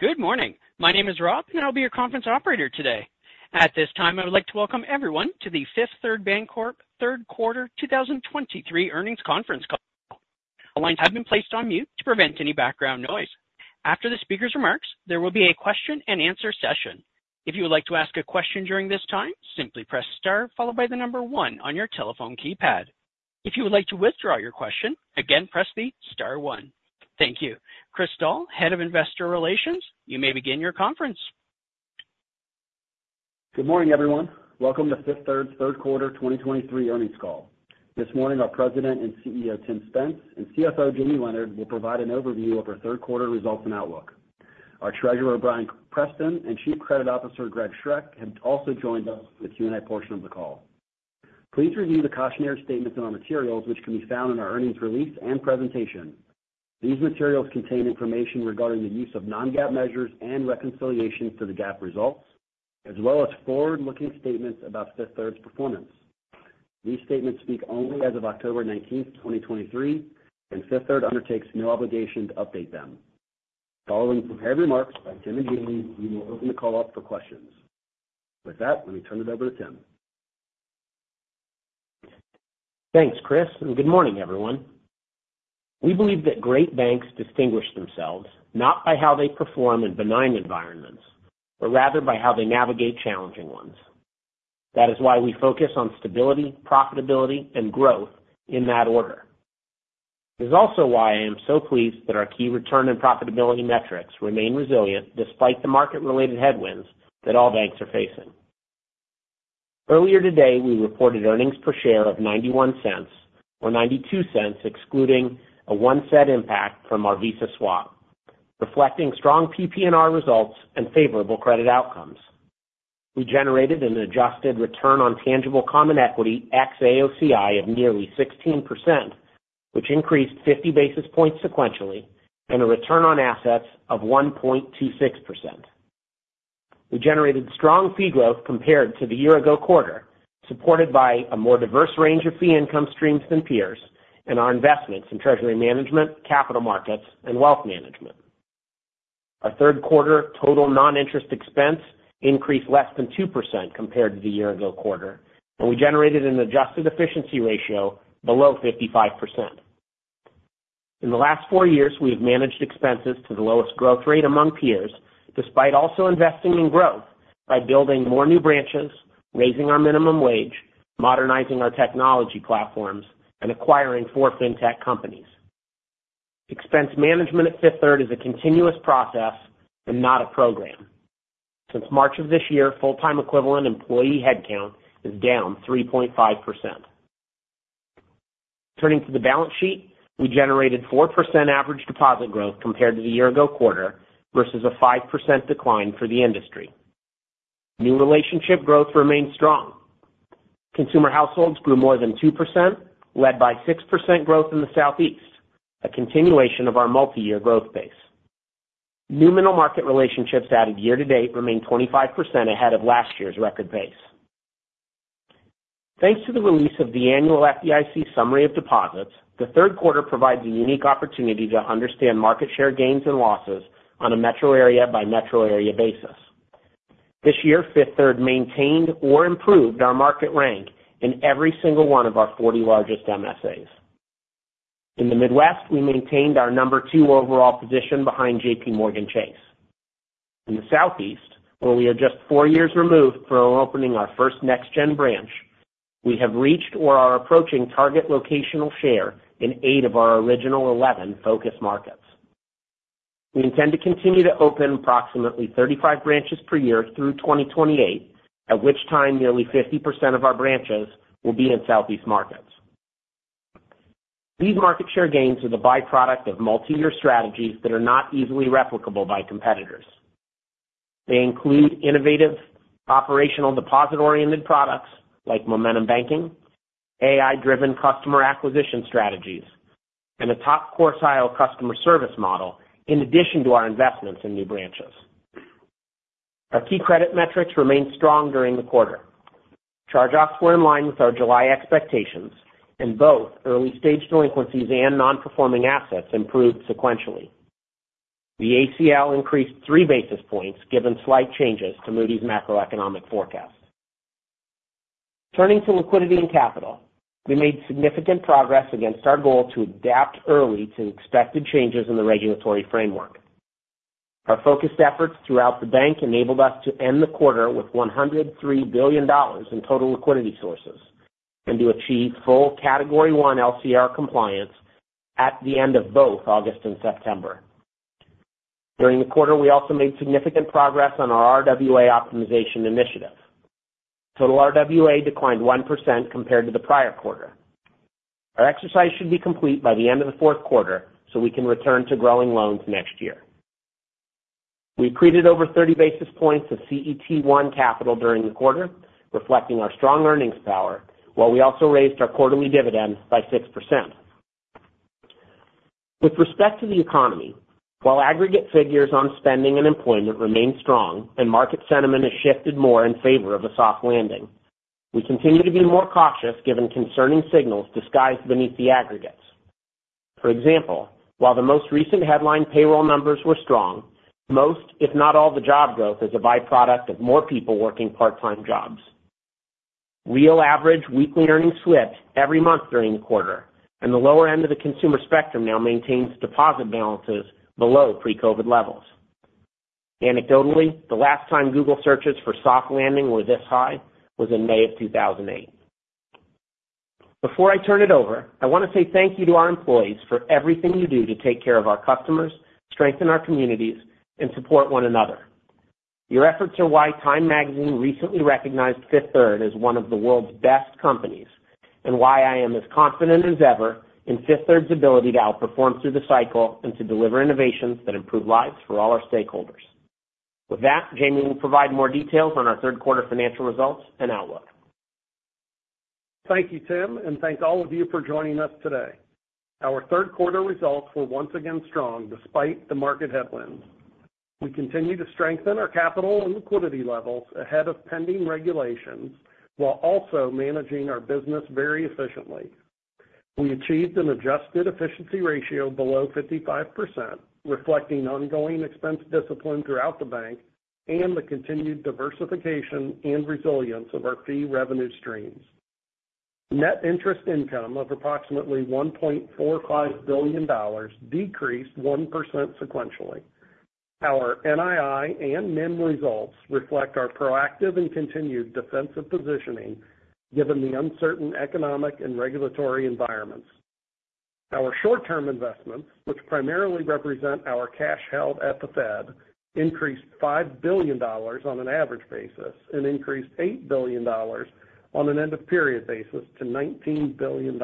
Good morning. My name is Rob, and I'll be your conference operator today. At this time, I would like to welcome everyone to the Fifth Third Bancorp Q3 2023 Earnings Conference Call. All lines have been placed on mute to prevent any background noise. After the speaker's remarks, there will be a question-and-answer session. If you would like to ask a question during this time, simply press star followed by the number 1 on your telephone keypad. If you would like to withdraw your question, again, press the star one. Thank you. Chris Doll, Head of Investor Relations, you may begin your conference. Good morning, everyone. Welcome to Fifth Third's Q3 2023 earnings call. This morning, our President and CEO, Tim Spence, and CFO, Jamie Leonard, will provide an overview of our Q3 results and outlook. Our Treasurer, Bryan Preston, and Chief Credit Officer, Greg Schroeck, have also joined us for the Q&A portion of the call. Please review the cautionary statements in our materials, which can be found in our earnings release and presentation. These materials contain information regarding the use of non-GAAP measures and reconciliations to the GAAP results, as well as forward-looking statements about Fifth Third's performance. These statements speak only as of October 19, 2023, and Fifth Third undertakes no obligation to update them. Following prepared remarks by Tim and Jamie, we will open the call up for questions. With that, let me turn it over to Tim. Thanks, Chris, and good morning, everyone. We believe that great banks distinguish themselves not by how they perform in benign environments, but rather by how they navigate challenging ones. That is why we focus on stability, profitability, and growth in that order. It is also why I am so pleased that our key return and profitability metrics remain resilient despite the market-related headwinds that all banks are facing. Earlier today, we reported earnings per share of $0.91 or $0.92, excluding a $0.01 impact from our Visa swap, reflecting strong PPNR results and favorable credit outcomes. We generated an adjusted return on tangible common equity ex-AOCI of nearly 16%, which increased 50 basis points sequentially, and a return on assets of 1.26%. We generated strong fee growth compared to the year ago quarter, supported by a more diverse range of fee income streams than peers and our investments in Treasury management, capital markets, and wealth management. Our Q3 total non-interest expense increased less than 2% compared to the year ago quarter, and we generated an adjusted efficiency ratio below 55%. In the last four years, we have managed expenses to the lowest growth rate among peers, despite also investing in growth by building more new branches, raising our minimum wage, modernizing our technology platforms, and acquiring four fintech companies. Expense management at Fifth Third is a continuous process and not a program. Since March of this year, full-time equivalent employee headcount is down 3.5%. Turning to the balance sheet, we generated 4% average deposit growth compared to the year ago quarter versus a 5% decline for the industry. New relationship growth remains strong. Consumer households grew more than 2%, led by 6% growth in the Southeast, a continuation of our multi-year growth base. New middle-market relationships added year to date remain 25% ahead of last year's record pace. Thanks to the release of the annual FDIC summary of deposits, the Q3 provides a unique opportunity to understand market share gains and losses on a metro area by metro area basis. This year, Fifth Third maintained or improved our market rank in every single one of our 40 largest MSAs. In the Midwest, we maintained our number two overall position behind JPMorgan Chase. In the Southeast, where we are just four years removed from opening our first Next Gen branch, we have reached or are approaching target locational share in eight of our original eleven focus markets. We intend to continue to open approximately 35 branches per year through 2028, at which time nearly 50% of our branches will be in Southeast markets. These market share gains are the byproduct of multi-year strategies that are not easily replicable by competitors. They include innovative, operational, deposit-oriented products like Momentum Banking, AI-driven customer acquisition strategies, and a top quartile customer service model in addition to our investments in new branches. Our key credit metrics remained strong during the quarter. Charge-offs were in line with our July expectations, and both early-stage delinquencies and non-performing assets improved sequentially. The ACL increased 3 basis points given slight changes to Moody's macroeconomic forecast. Turning to liquidity and capital, we made significant progress against our goal to adapt early to expected changes in the regulatory framework. Our focused efforts throughout the bank enabled us to end the quarter with $103 billion in total liquidity sources and to achieve full Category 1 LCR compliance at the end of both August and September. During the quarter, we also made significant progress on our RWA optimization initiative. Total RWA declined 1% compared to the prior quarter. Our exercise should be complete by the end of the Q4, so we can return to growing loans next year. We accreted over 30 basis points of CET1 capital during the quarter, reflecting our strong earnings power, while we also raised our quarterly dividend by 6%. With respect to the economy, while aggregate figures on spending and employment remain strong and market sentiment has shifted more in favor of a soft landing... We continue to be more cautious given concerning signals disguised beneath the aggregates. For example, while the most recent headline payroll numbers were strong, most, if not all, the job growth is a byproduct of more people working part-time jobs. Real average weekly earnings slipped every month during the quarter, and the lower end of the consumer spectrum now maintains deposit balances below pre-COVID levels. Anecdotally, the last time Google searches for soft landing were this high was in May of 2008. Before I turn it over, I want to say thank you to our employees for everything you do to take care of our customers, strengthen our communities, and support one another. Your efforts are why Time Magazine recently recognized Fifth Third as one of the world's best companies, and why I am as confident as ever in Fifth Third's ability to outperform through the cycle and to deliver innovations that improve lives for all our stakeholders. With that, Jamie will provide more details on our Q3 financial results and outlook. Thank you, Tim, and thanks all of you for joining us today. Our Q3 results were once again strong despite the market headwinds. We continue to strengthen our capital and liquidity levels ahead of pending regulations, while also managing our business very efficiently. We achieved an adjusted efficiency ratio below 55%, reflecting ongoing expense discipline throughout the bank and the continued diversification and resilience of our fee revenue streams. Net interest income of approximately $1.45 billion decreased 1% sequentially. Our NII and NIM results reflect our proactive and continued defensive positioning, given the uncertain economic and regulatory environments. Our short-term investments, which primarily represent our cash held at the Fed, increased $5 billion on an average basis and increased $8 billion on an end-of-period basis to $19 billion.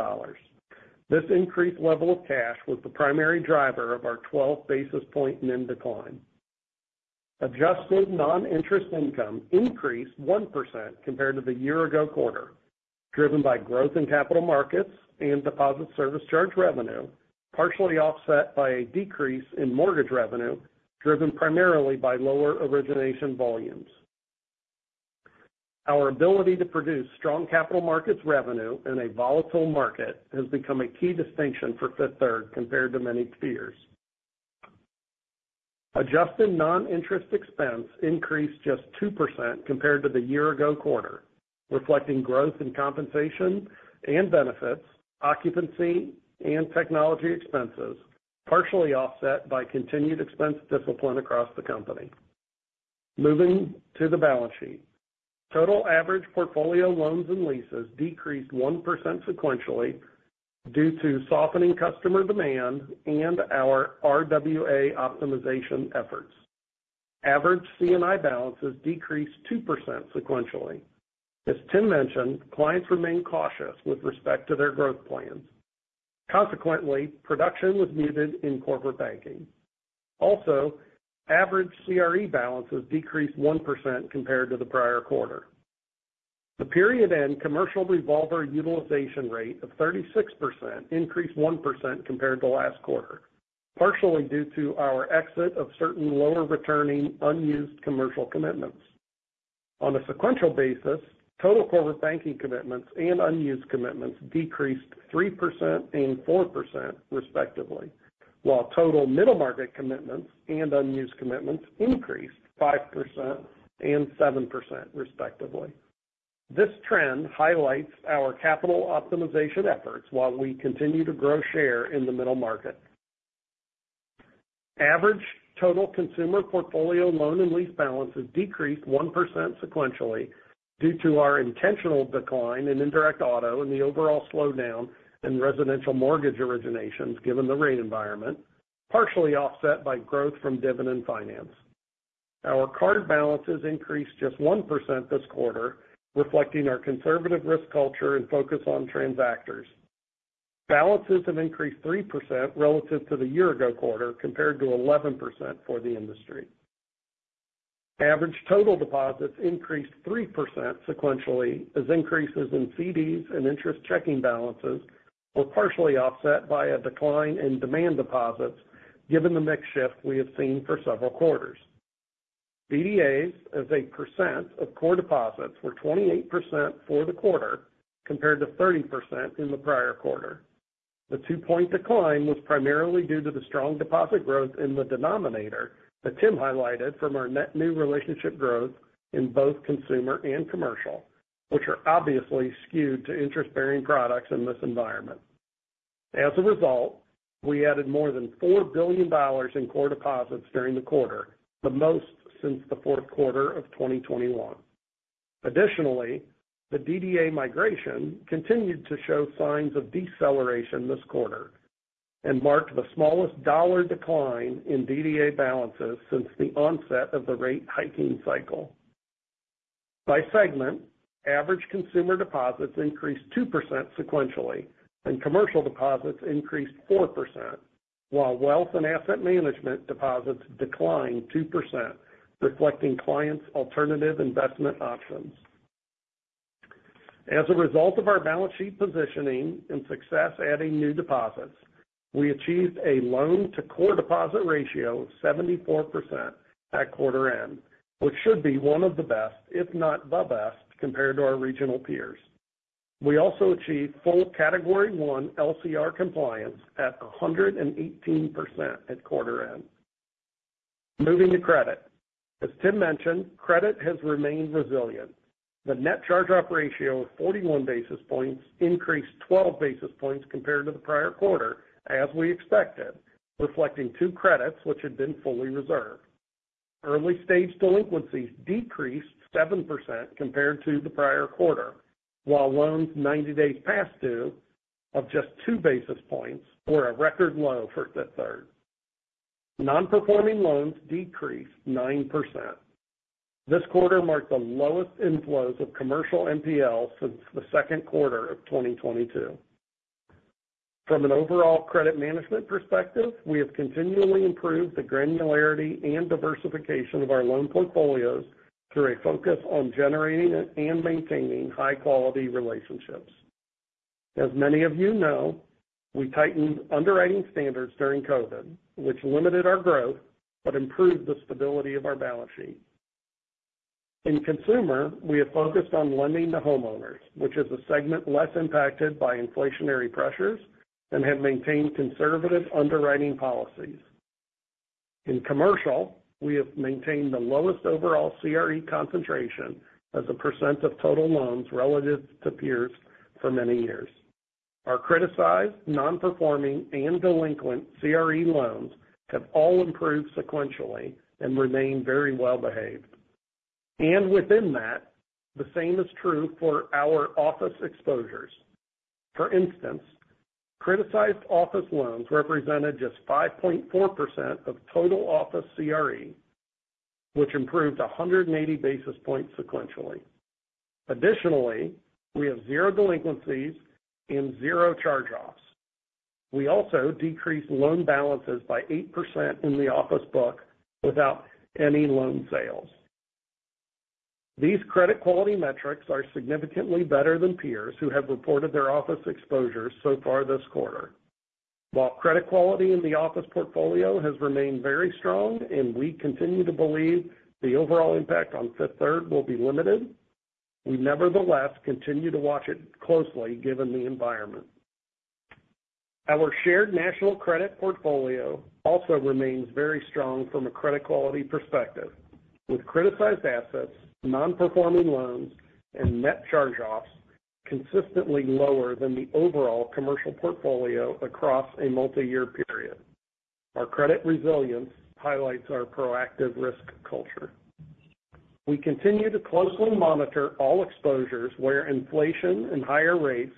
This increased level of cash was the primary driver of our 12 basis point NIM decline. Adjusted non-interest income increased 1% compared to the year-ago quarter, driven by growth in capital markets and deposit service charge revenue, partially offset by a decrease in mortgage revenue, driven primarily by lower origination volumes. Our ability to produce strong capital markets revenue in a volatile market has become a key distinction for Fifth Third compared to many peers. Adjusted non-interest expense increased just 2% compared to the year-ago quarter, reflecting growth in compensation and benefits, occupancy and technology expenses, partially offset by continued expense discipline across the company. Moving to the balance sheet. Total average portfolio loans and leases decreased 1% sequentially due to softening customer demand and our RWA optimization efforts. Average C&I balances decreased 2% sequentially. As Tim mentioned, clients remain cautious with respect to their growth plans. Consequently, production was muted in corporate banking. Also, average CRE balances decreased 1% compared to the prior quarter. The period-end commercial revolver utilization rate of 36% increased 1% compared to last quarter, partially due to our exit of certain lower-returning, unused commercial commitments. On a sequential basis, total corporate banking commitments and unused commitments decreased 3% and 4%, respectively, while total middle market commitments and unused commitments increased 5% and 7%, respectively. This trend highlights our capital optimization efforts while we continue to grow share in the middle market. Average total consumer portfolio loan and lease balances decreased 1% sequentially due to our intentional decline in indirect auto and the overall slowdown in residential mortgage originations, given the rate environment, partially offset by growth from Dividend Finance. Our card balances increased just 1% this quarter, reflecting our conservative risk culture and focus on transactors. Balances have increased 3% relative to the year-ago quarter, compared to 11% for the industry. Average total deposits increased 3% sequentially, as increases in CDs and interest checking balances were partially offset by a decline in demand deposits, given the mix shift we have seen for several quarters. DDAs as a percent of core deposits were 28% for the quarter, compared to 30% in the prior quarter. The 2-point decline was primarily due to the strong deposit growth in the denominator that Tim highlighted from our net new relationship growth in both consumer and commercial, which are obviously skewed to interest-bearing products in this environment. As a result, we added more than $4 billion in core deposits during the quarter, the most since the Q4 of 2021. Additionally, the DDA migration continued to show signs of deceleration this quarter and marked the smallest dollar decline in DDA balances since the onset of the rate hiking cycle. By segment, average consumer deposits increased 2% sequentially, and commercial deposits increased 4%, while wealth and asset management deposits declined 2%, reflecting clients' alternative investment options. As a result of our balance sheet positioning and success adding new deposits,... We achieved a loan to core deposit ratio of 74% at quarter end, which should be one of the best, if not the best, compared to our regional peers. We also achieved full Category 1 LCR compliance at 118% at quarter end. Moving to credit. As Tim mentioned, credit has remained resilient. The net charge-off ratio of 41 basis points increased 12 basis points compared to the prior quarter, as we expected, reflecting two credits which had been fully reserved. Early-stage delinquencies decreased 7% compared to the prior quarter, while loans 90 days past due of just two basis points were a record low for Fifth Third. Nonperforming loans decreased 9%. This quarter marked the lowest inflows of commercial NPL since the Q2 of 2022. From an overall credit management perspective, we have continually improved the granularity and diversification of our loan portfolios through a focus on generating and maintaining high-quality relationships. As many of you know, we tightened underwriting standards during COVID, which limited our growth but improved the stability of our balance sheet. In consumer, we have focused on lending to homeowners, which is a segment less impacted by inflationary pressures, and have maintained conservative underwriting policies. In commercial, we have maintained the lowest overall CRE concentration as a percent of total loans relative to peers for many years. Our criticized, nonperforming, and delinquent CRE loans have all improved sequentially and remain very well behaved. And within that, the same is true for our office exposures. For instance, criticized office loans represented just 5.4% of total office CRE, which improved 180 basis points sequentially. Additionally, we have zero delinquencies and zero charge-offs. We also decreased loan balances by 8% in the office book without any loan sales. These credit quality metrics are significantly better than peers who have reported their office exposures so far this quarter. While credit quality in the office portfolio has remained very strong and we continue to believe the overall impact on Fifth Third will be limited, we nevertheless continue to watch it closely given the environment. Our Shared National Credit portfolio also remains very strong from a credit quality perspective, with criticized assets, nonperforming loans, and net charge-offs consistently lower than the overall commercial portfolio across a multiyear period. Our credit resilience highlights our proactive risk culture. We continue to closely monitor all exposures where inflation and higher rates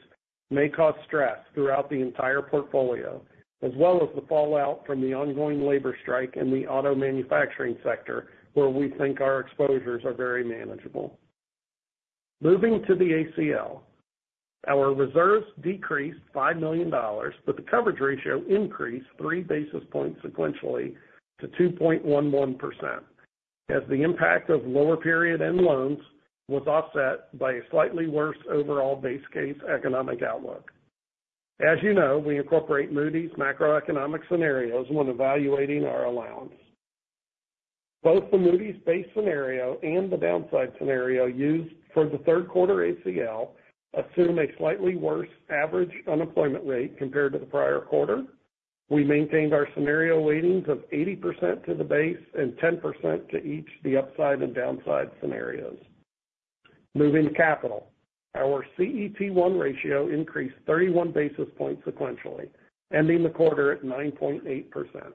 may cause stress throughout the entire portfolio, as well as the fallout from the ongoing labor strike in the auto manufacturing sector, where we think our exposures are very manageable. Moving to the ACL, our reserves decreased $5 million, but the coverage ratio increased three basis points sequentially to 2.11%, as the impact of lower period end loans was offset by a slightly worse overall base case economic outlook. As you know, we incorporate Moody's macroeconomic scenarios when evaluating our allowance. Both the Moody's base scenario and the downside scenario used for the Q3 ACL assume a slightly worse average unemployment rate compared to the prior quarter. We maintained our scenario weightings of 80% to the base and 10% to each the upside and downside scenarios. Moving to capital. Our CET1 ratio increased 31 basis points sequentially, ending the quarter at 9.8%.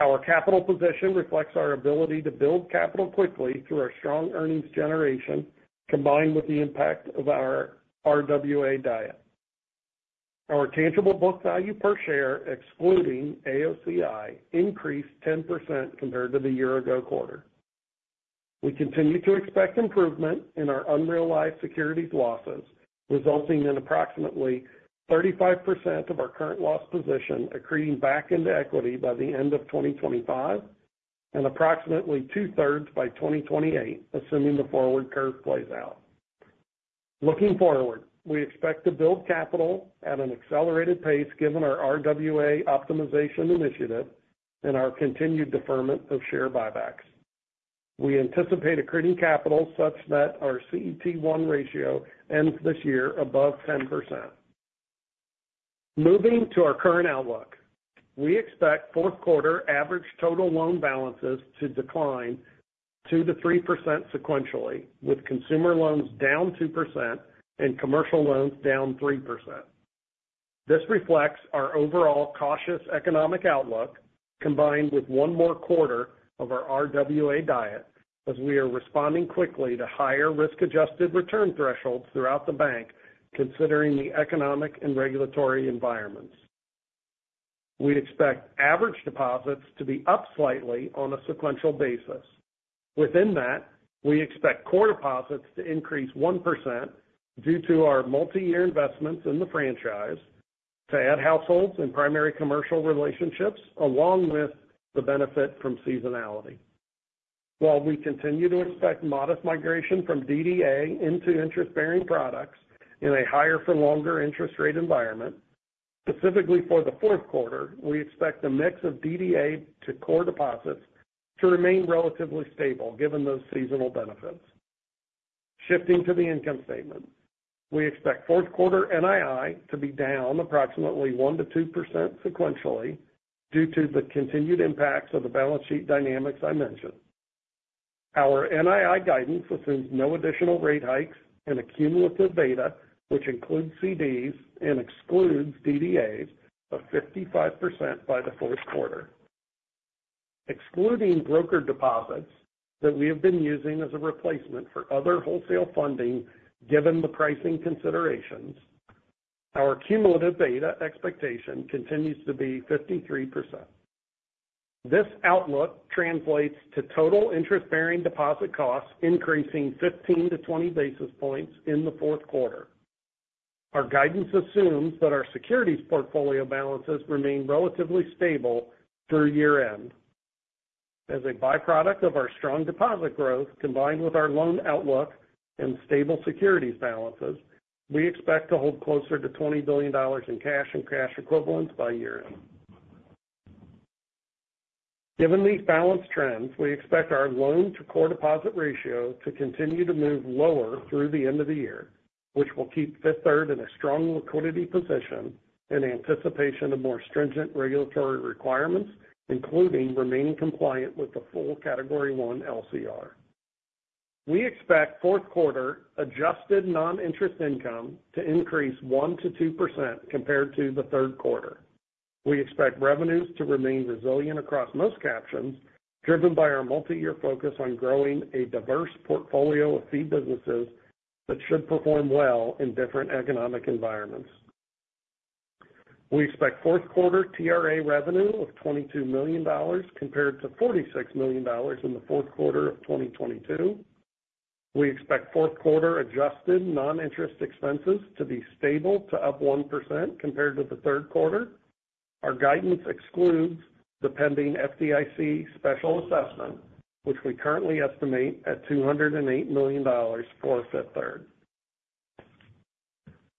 Our capital position reflects our ability to build capital quickly through our strong earnings generation, combined with the impact of our RWA diet. Our tangible book value per share, excluding AOCI, increased 10% compared to the year-ago quarter. We continue to expect improvement in our unrealized securities losses, resulting in approximately 35% of our current loss position accreting back into equity by the end of 2025 and approximately two-thirds by 2028, assuming the forward curve plays out. Looking forward, we expect to build capital at an accelerated pace given our RWA optimization initiative and our continued deferment of share buybacks. We anticipate accreting capital such that our CET1 ratio ends this year above 10%. Moving to our current outlook, we expect Q4 average total loan balances to decline 2 to 3% sequentially, with consumer loans down 2% and commercial loans down 3%. This reflects our overall cautious economic outlook, combined with one more quarter of our RWA diet, as we are responding quickly to higher risk-adjusted return thresholds throughout the bank, considering the economic and regulatory environments. We expect average deposits to be up slightly on a sequential basis. Within that, we expect core deposits to increase 1% due to our multiyear investments in the franchise to add households and primary commercial relationships, along with the benefit from seasonality.... While we continue to expect modest migration from DDA into interest-bearing products in a higher for longer interest rate environment, specifically for the Q4, we expect the mix of DDA to core deposits to remain relatively stable given those seasonal benefits. Shifting to the income statement, we expect Q4 NII to be down approximately 1 to 2% sequentially due to the continued impacts of the balance sheet dynamics I mentioned. Our NII guidance assumes no additional rate hikes and a cumulative beta, which includes CDs and excludes DDAs of 55% by the Q4. Excluding broker deposits that we have been using as a replacement for other wholesale funding, given the pricing considerations, our cumulative beta expectation continues to be 53%. This outlook translates to total interest-bearing deposit costs increasing 15-20 basis points in the Q4. Our guidance assumes that our securities portfolio balances remain relatively stable through year-end. As a byproduct of our strong deposit growth, combined with our loan outlook and stable securities balances, we expect to hold closer to $20 billion in cash and cash equivalents by year-end. Given these balance trends, we expect our loan to core deposit ratio to continue to move lower through the end of the year, which will keep Fifth Third in a strong liquidity position in anticipation of more stringent regulatory requirements, including remaining compliant with the full Category 1 LCR. We expect Q4 adjusted non-interest income to increase 1 to 2% compared to the Q3. We expect revenues to remain resilient across most captions, driven by our multi-year focus on growing a diverse portfolio of fee businesses that should perform well in different economic environments. We expect Q4 TRA revenue of $22 million compared to $46 million in the Q4 of 2022. We expect Q4 adjusted non-interest expenses to be stable to up 1% compared to the Q3. Our guidance excludes the pending FDIC special assessment, which we currently estimate at $208 million for Fifth Third.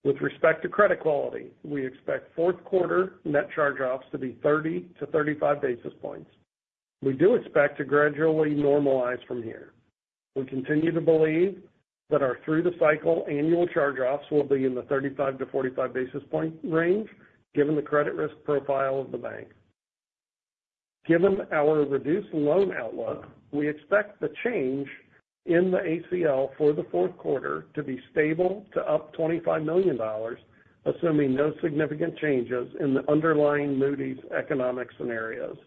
With respect to credit quality, we expect Q4 net charge-offs to be 30-35 basis points. We do expect to gradually normalize from here. We continue to believe that our through the cycle annual charge-offs will be in the 35-45 basis point range, given the credit risk profile of the bank. Given our reduced loan outlook, we expect the change in the ACL for the Q4 to be stable to up $25 million, assuming no significant changes in the underlying Moody's economic scenarios.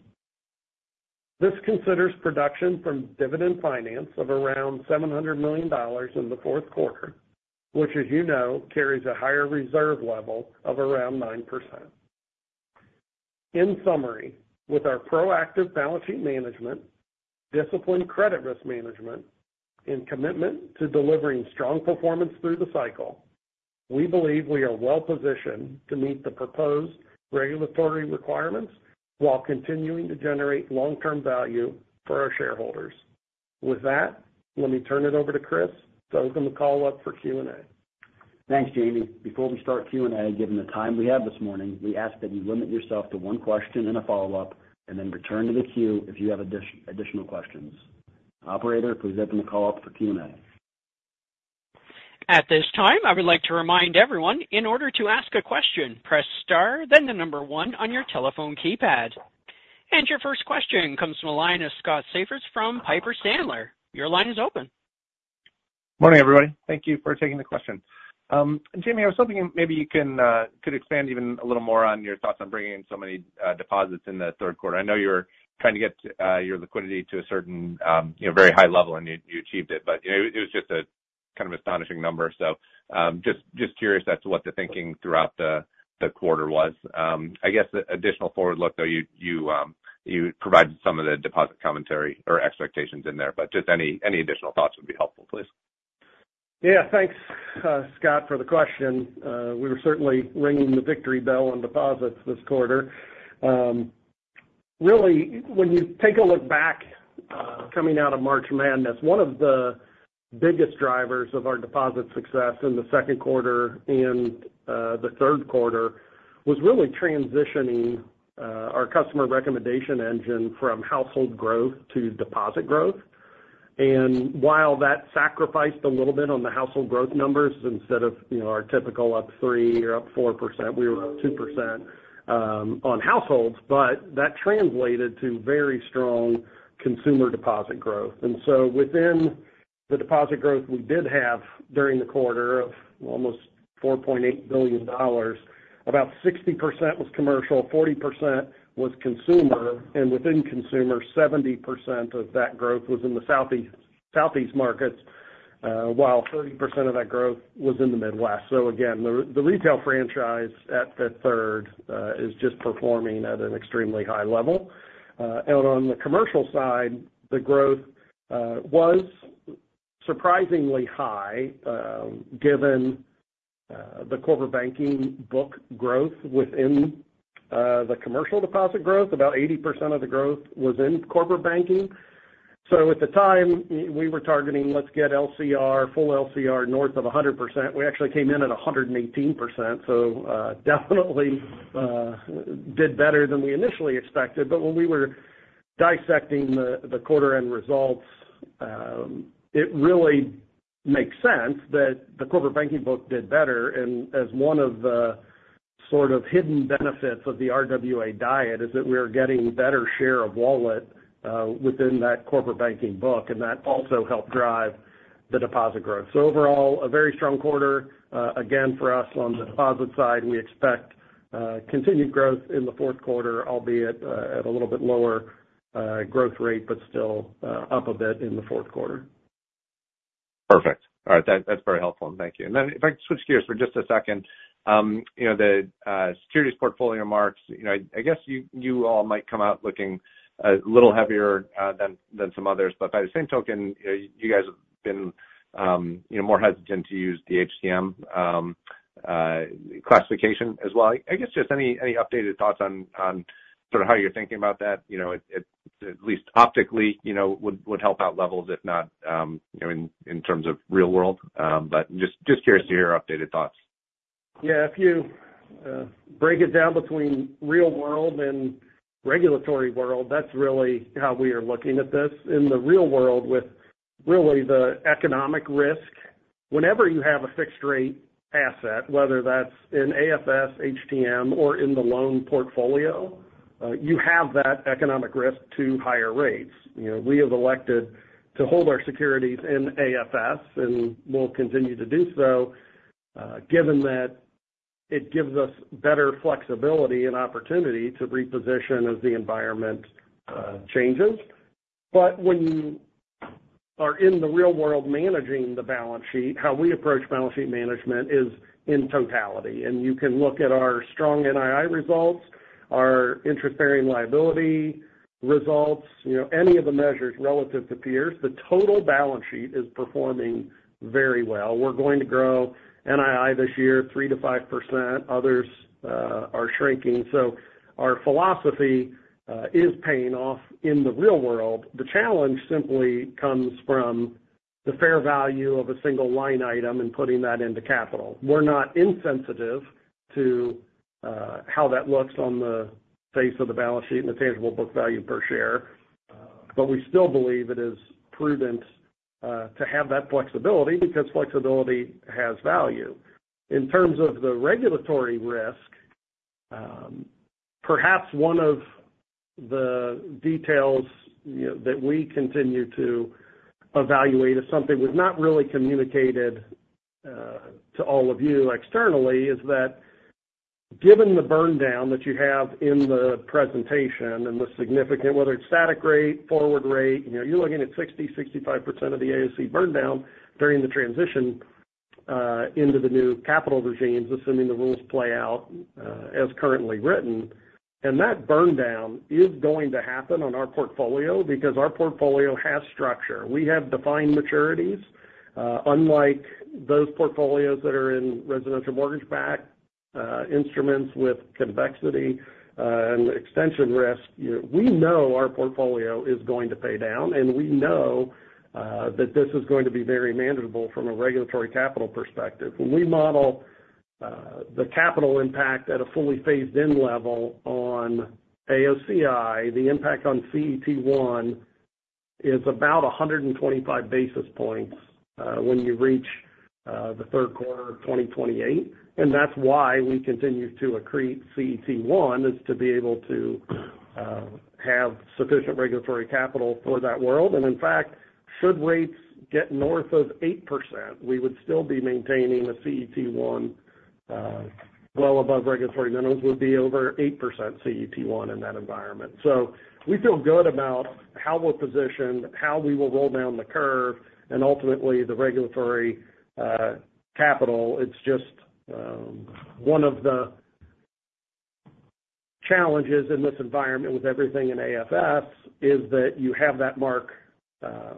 This considers production from Dividend Finance of around $700 million in the Q4, which, as you know, carries a higher reserve level of around 9%. In summary, with our proactive balance sheet management, disciplined credit risk management, and commitment to delivering strong performance through the cycle, we believe we are well positioned to meet the proposed regulatory requirements while continuing to generate long-term value for our shareholders. With that, let me turn it over to Chris to open the call up for Q&A. Thanks, Jamie. Before we start Q&A, given the time we have this morning, we ask that you limit yourself to one question and a follow-up, and then return to the queue if you have additional questions. Operator, please open the call up for Q&A. At this time, I would like to remind everyone, in order to ask a question, press Star, then the number one on your telephone keypad. Your first question comes from the line of Scott Siefers from Piper Sandler. Your line is open. Morning, everybody. Thank you for taking the question. Jamie, I was hoping maybe you could expand even a little more on your thoughts on bringing in so many deposits in the Q3. I know you're trying to get your liquidity to a certain you know very high level, and you achieved it, but it was just a kind of astonishing number. So just curious as to what the thinking throughout the quarter was. I guess the additional forward look, though, you provided some of the deposit commentary or expectations in there, but just any additional thoughts would be helpful, please. Yeah, thanks, Scott, for the question. We were certainly ringing the victory bell on deposits this quarter. Really, when you take a look back, coming out of March Madness, one of the biggest drivers of our deposit success in the Q2 and, the Q3 was really transitioning, our customer recommendation engine from household growth to deposit growth. And while that sacrificed a little bit on the household growth numbers instead of, you know, our typical up 3% or up 4%, we were up 2%, on households, but that translated to very strong consumer deposit growth. Within the deposit growth we did have during the quarter of almost $4.8 billion, about 60% was commercial, 40% was consumer, and within consumer, 70% of that growth was in the Southeast, Southeast markets, while 30% of that growth was in the Midwest. So again, the retail franchise at Fifth Third is just performing at an extremely high level. And on the commercial side, the growth was surprisingly high, given the corporate banking book growth within the commercial deposit growth. About 80% of the growth was in corporate banking. So at the time, we were targeting, let's get LCR, full LCR north of 100%. We actually came in at 118%, so definitely did better than we initially expected. But when we were dissecting the quarter-end results, it really makes sense that the corporate banking book did better. And as one of the sort of hidden benefits of the RWA diet is that we are getting better share of wallet within that corporate banking book, and that also helped drive the deposit growth. So overall, a very strong quarter. Again, for us, on the deposit side, we expect continued growth in the Q4, albeit at a little bit lower growth rate, but still up a bit in the Q4. Perfect. All right, that's very helpful. And thank you. And then if I could switch gears for just a second. You know, the securities portfolio marks, you know, I guess you all might come out looking a little heavier than some others. But by the same token, you know, you guys have been, you know, more hesitant to use the HTM classification as well. I guess just any updated thoughts on sort of how you're thinking about that? You know, it, at least optically, you know, would help out levels, if not, you know, in terms of real world. But just curious to hear your updated thoughts. Yeah. If you break it down between real world and regulatory world, that's really how we are looking at this. In the real world, with really the economic risk, whenever you have a fixed rate asset, whether that's in AFS, HTM, or in the loan portfolio, you have that economic risk to higher rates. You know, we have elected to hold our securities in AFS, and we'll continue to do so, given that it gives us better flexibility and opportunity to reposition as the environment changes. But when you are in the real world managing the balance sheet, how we approach balance sheet management is in totality. And you can look at our strong NII results, our interest-bearing liability results, you know, any of the measures relative to peers. The total balance sheet is performing very well. We're going to grow NII this year, 3 to 5%. Others are shrinking. So our philosophy is paying off in the real world. The challenge simply comes from the fair value of a single line item and putting that into capital. We're not insensitive to how that looks on the face of the balance sheet and the tangible book value per share, but we still believe it is prudent to have that flexibility, because flexibility has value. In terms of the regulatory risk, perhaps one of the details, you know, that we continue to evaluate is something was not really communicated to all of you externally, is that given the burn down that you have in the presentation and the significant, whether it's static rate, forward rate, you know, you're looking at 60 to 65% of the AFS burn down during the transition into the new capital regimes, assuming the rules play out as currently written. That burn down is going to happen on our portfolio because our portfolio has structure. We have defined maturities, unlike those portfolios that are in residential mortgage-backed instruments with convexity and extension risk. You know, we know our portfolio is going to pay down, and we know that this is going to be very manageable from a regulatory capital perspective. When we model the capital impact at a fully phased-in level on AOCI, the impact on CET1 is about 125 basis points when you reach the Q3 of 2028. And that's why we continue to accrete CET1, is to be able to have sufficient regulatory capital for that world. And in fact, should rates get north of 8%, we would still be maintaining a CET1 well above regulatory minimums, would be over 8% CET1 in that environment. So we feel good about how we're positioned, how we will roll down the curve and ultimately the regulatory capital. It's just one of the challenges in this environment with everything in AFS, is that you have that mark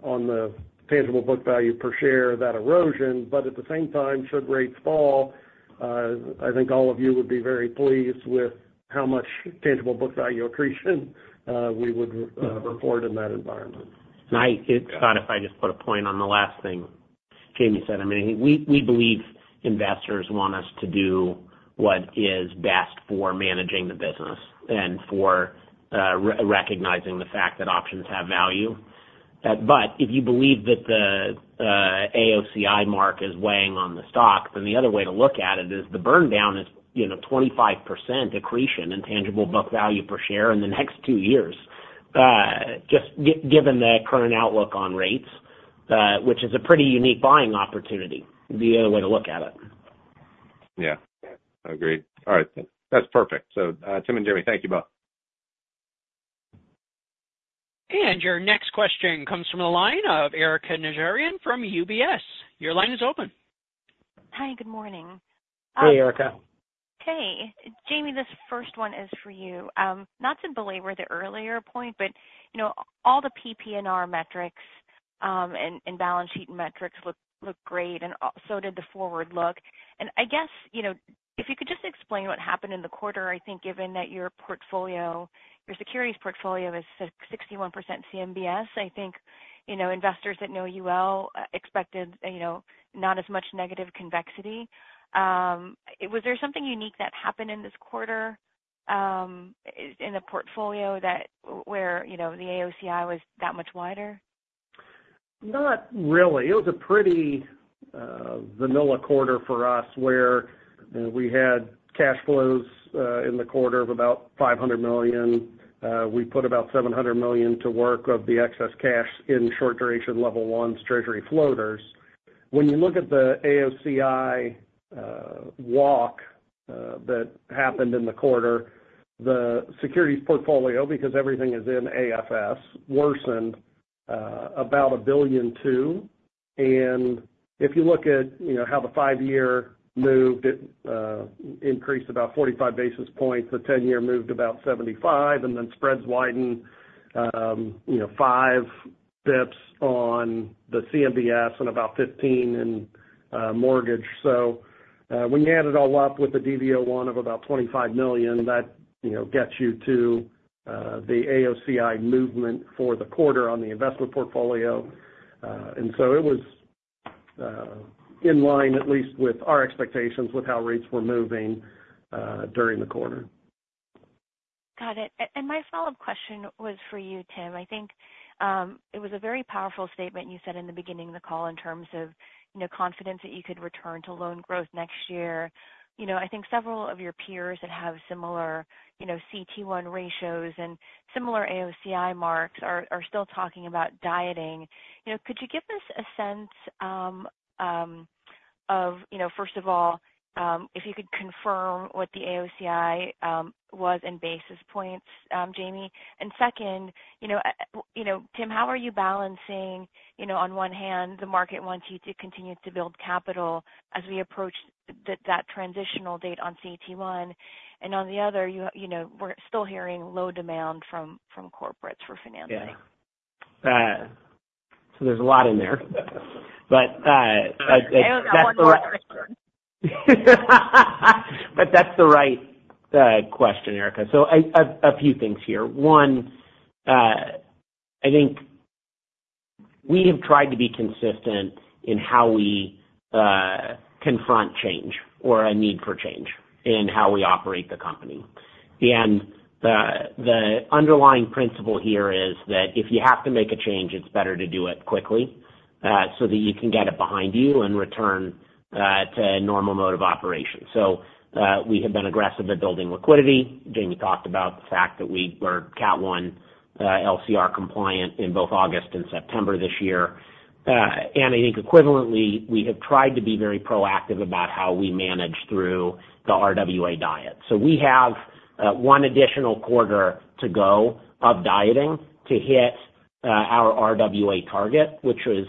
on the tangible book value per share, that erosion. But at the same time, should rates fall, I think all of you would be very pleased with how much tangible book value accretion we would report in that environment. Scott, if I just put a point on the last thing Jamie said. I mean, we believe investors want us to do what is best for managing the business and for recognizing the fact that options have value. But if you believe that the AOCI mark is weighing on the stock, then the other way to look at it is the burn down is, you know, 25% accretion in tangible book value per share in the next two years, just given the current outlook on rates, which is a pretty unique buying opportunity, would be another way to look at it. Yeah. Yeah, agreed. All right, that's perfect. So, Tim and Jamie, thank you both. Your next question comes from the line of Erika Najarian from UBS. Your line is open. Hi, good morning. Hey, Erika.... Okay. Jamie, this first one is for you. Not to belabor the earlier point, but, you know, all the PPNR metrics and balance sheet metrics look great, and also did the forward look. And I guess, you know, if you could just explain what happened in the quarter, I think given that your portfolio, your securities portfolio is 61% CMBS, I think, you know, investors that know you well expected, you know, not as much negative convexity. Was there something unique that happened in this quarter in the portfolio that where, you know, the AOCI was that much wider? Not really. It was a pretty, vanilla quarter for us, where, we had cash flows, in the quarter of about $500 million. We put about $700 million to work of the excess cash in short duration Level 1s treasury floaters. When you look at the AOCI, walk, that happened in the quarter, the securities portfolio, because everything is in AFS, worsened, about $1.2 billion. And if you look at, you know, how the five-year moved, it, increased about 45 basis points. The ten-year moved about 75, and then spreads widened, you know, five basis points on the CMBS and about 15 in, mortgage. So, when you add it all up with the DV01 of about $25 million, that, you know, gets you to, the AOCI movement for the quarter on the investment portfolio. And so it was in line, at least with our expectations, with how rates were moving during the quarter. Got it. And my follow-up question was for you, Tim. I think it was a very powerful statement you said in the beginning of the call in terms of, you know, confidence that you could return to loan growth next year. You know, I think several of your peers that have similar, you know, CET1 ratios and similar AOCI marks are still talking about dieting. You know, could you give us a sense of, you know, first of all, if you could confirm what the AOCI was in basis points, Jamie? And second, you know, Tim, how are you balancing, you know, on one hand, the market wants you to continue to build capital as we approach that transitional date on CET1, and on the other, you know, we're still hearing low demand from corporates for financing? Yeah. So there's a lot in there. But, I- I only got one more question. But that's the right question, Erika. So a few things here. One, I think we have tried to be consistent in how we confront change or a need for change in how we operate the company. And the underlying principle here is that if you have to make a change, it's better to do it quickly so that you can get it behind you and return to a normal mode of operation. So we have been aggressive at building liquidity. Jamie talked about the fact that we were Category 1 LCR compliant in both August and September this year. And I think equivalently, we have tried to be very proactive about how we manage through the RWA diet. So we have one additional quarter to go of dieting to hit our RWA target, which is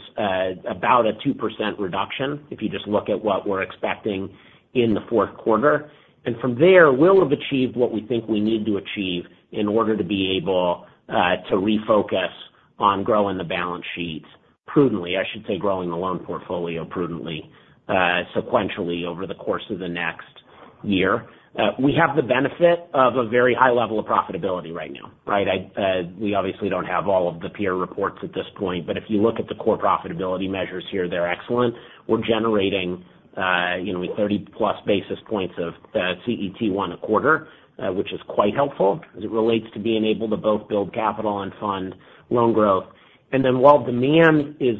about a 2% reduction, if you just look at what we're expecting in the Q4. And from there, we'll have achieved what we think we need to achieve in order to be able to refocus on growing the balance sheets prudently. I should say, growing the loan portfolio prudently, sequentially over the course of the next year. We have the benefit of a very high level of profitability right now, right? I, we obviously don't have all of the peer reports at this point, but if you look at the core profitability measures here, they're excellent. We're generating, you know, 30+ basis points of CET1 a quarter, which is quite helpful as it relates to being able to both build capital and fund loan growth. And then while demand is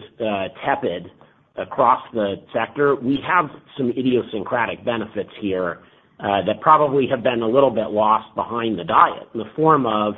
tepid across the sector, we have some idiosyncratic benefits here that probably have been a little bit lost behind the diet in the form of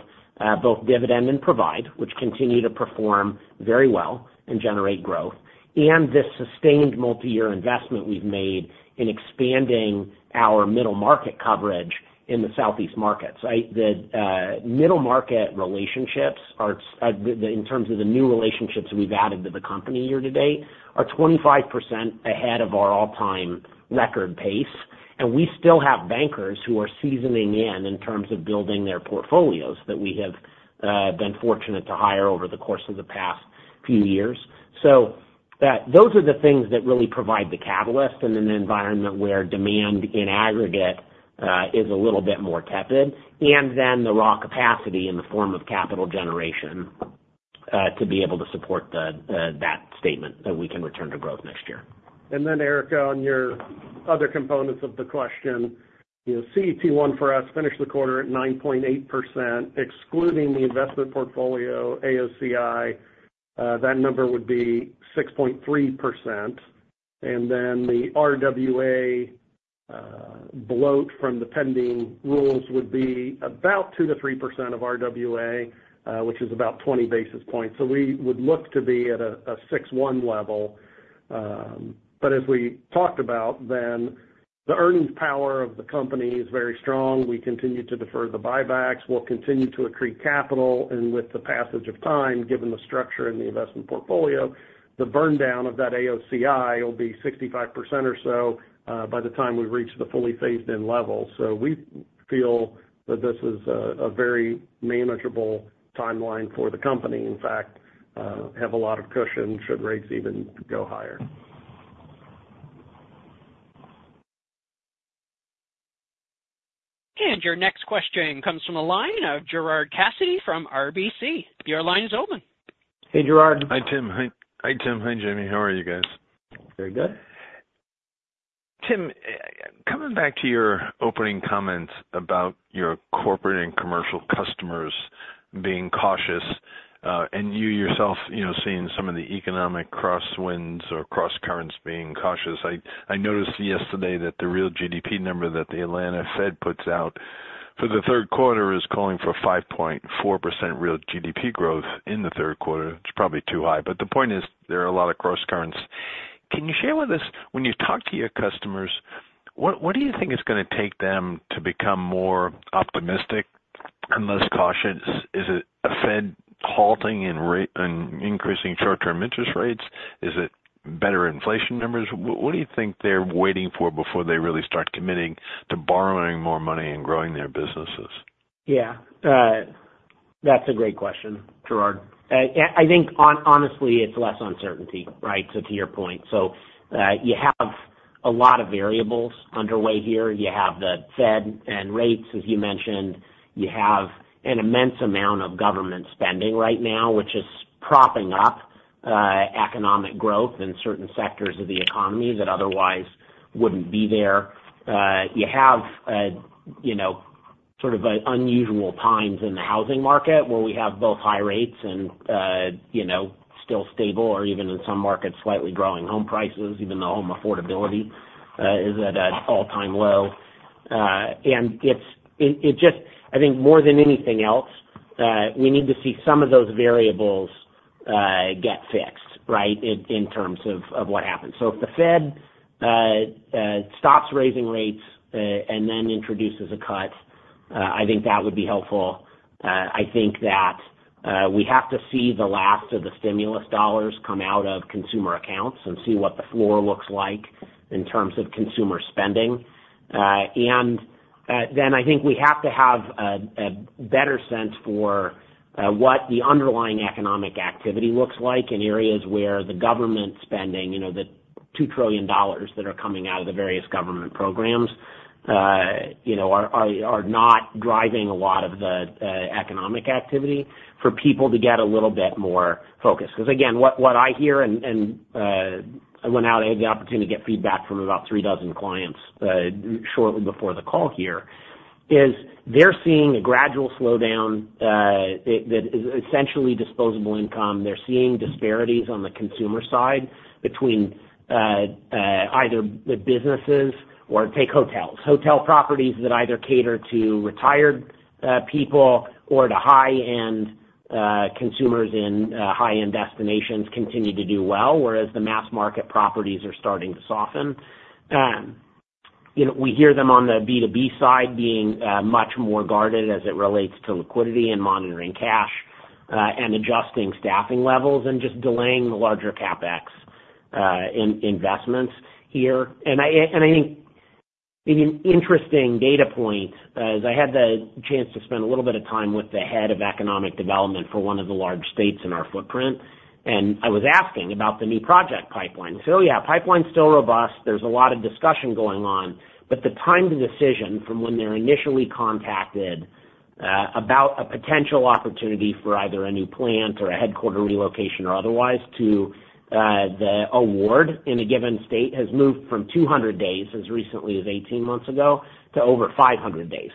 both Dividend and Provide, which continue to perform very well and generate growth, and this sustained multi-year investment we've made in expanding our middle market coverage in the Southeast markets. Right? The middle market relationships are, in terms of the new relationships we've added to the company year to date, 25% ahead of our all-time record pace, and we still have bankers who are seasoning in terms of building their portfolios that we have been fortunate to hire over the course of the past few years. So, those are the things that really provide the catalyst in an environment where demand in aggregate is a little bit more tepid, and then the raw capacity in the form of capital generation to be able to support that statement that we can return to growth next year. And then, Erika, on your other components of the question, the CET1 for us finished the quarter at 9.8%, excluding the investment portfolio, AOCI, that number would be 6.3%. And then the RWA, bloat from the pending rules would be about 2 to 3% of RWA, which is about 20 basis points. So we would look to be at a, a 6.1 level. But as we talked about, then... The earnings power of the company is very strong. We continue to defer the buybacks. We'll continue to accrete capital, and with the passage of time, given the structure and the investment portfolio, the burn down of that AOCI will be 65% or so by the time we've reached the fully phased-in level. So we feel that this is a very manageable timeline for the company. In fact, have a lot of cushion should rates even go higher. Your next question comes from the line of Gerard Cassidy from RBC. Your line is open. Hey, Gerard. Hi, Tim. Hi, Tim. Hi, Jamie. How are you guys? Very good. Tim, coming back to your opening comments about your corporate and commercial customers being cautious, and you yourself, you know, seeing some of the economic crosswinds or crosscurrents being cautious. I noticed yesterday that the real GDP number that the Atlanta Fed puts out for the Q3 is calling for 5.4% real GDP growth in the Q3, which is probably too high. But the point is, there are a lot of crosscurrents. Can you share with us, when you talk to your customers, what do you think it's going to take them to become more optimistic and less cautious? Is it a Fed halting in increasing short-term interest rates? Is it better inflation numbers? What do you think they're waiting for before they really start committing to borrowing more money and growing their businesses? Yeah, that's a great question, Gerard. I think honestly, it's less uncertainty, right? So to your point. So, you have a lot of variables underway here. You have the Fed and rates, as you mentioned. You have an immense amount of government spending right now, which is propping up economic growth in certain sectors of the economy that otherwise wouldn't be there. You have, you know, sort of unusual times in the housing market, where we have both high rates and, you know, still stable or even in some markets, slightly growing home prices, even though home affordability is at an all-time low. And it's—it just... I think more than anything else, we need to see some of those variables get fixed, right, in terms of what happens. So if the Fed stops raising rates and then introduces a cut, I think that would be helpful. I think that we have to see the last of the stimulus dollars come out of consumer accounts and see what the floor looks like in terms of consumer spending. And then I think we have to have a better sense for what the underlying economic activity looks like in areas where the government spending, you know, the $2 trillion that are coming out of the various government programs, you know, are not driving a lot of the economic activity for people to get a little bit more focused. Because, again, what I hear and when I had the opportunity to get feedback from about three dozen clients, shortly before the call here, is they're seeing a gradual slowdown that is essentially disposable income. They're seeing disparities on the consumer side between either the businesses or take hotels. Hotel properties that either cater to retired people or to high-end consumers in high-end destinations continue to do well, whereas the mass-market properties are starting to soften. You know, we hear them on the B2B side being much more guarded as it relates to liquidity and monitoring cash and adjusting staffing levels and just delaying the larger CapEx investments here. And I think an interesting data point is I had the chance to spend a little bit of time with the head of economic development for one of the large states in our footprint, and I was asking about the new project pipeline. So yeah, pipeline's still robust. There's a lot of discussion going on, but the time to decision from when they're initially contacted about a potential opportunity for either a new plant or a headquarter relocation or otherwise, to the award in a given state, has moved from 200 days, as recently as 18 months ago, to over 500 days.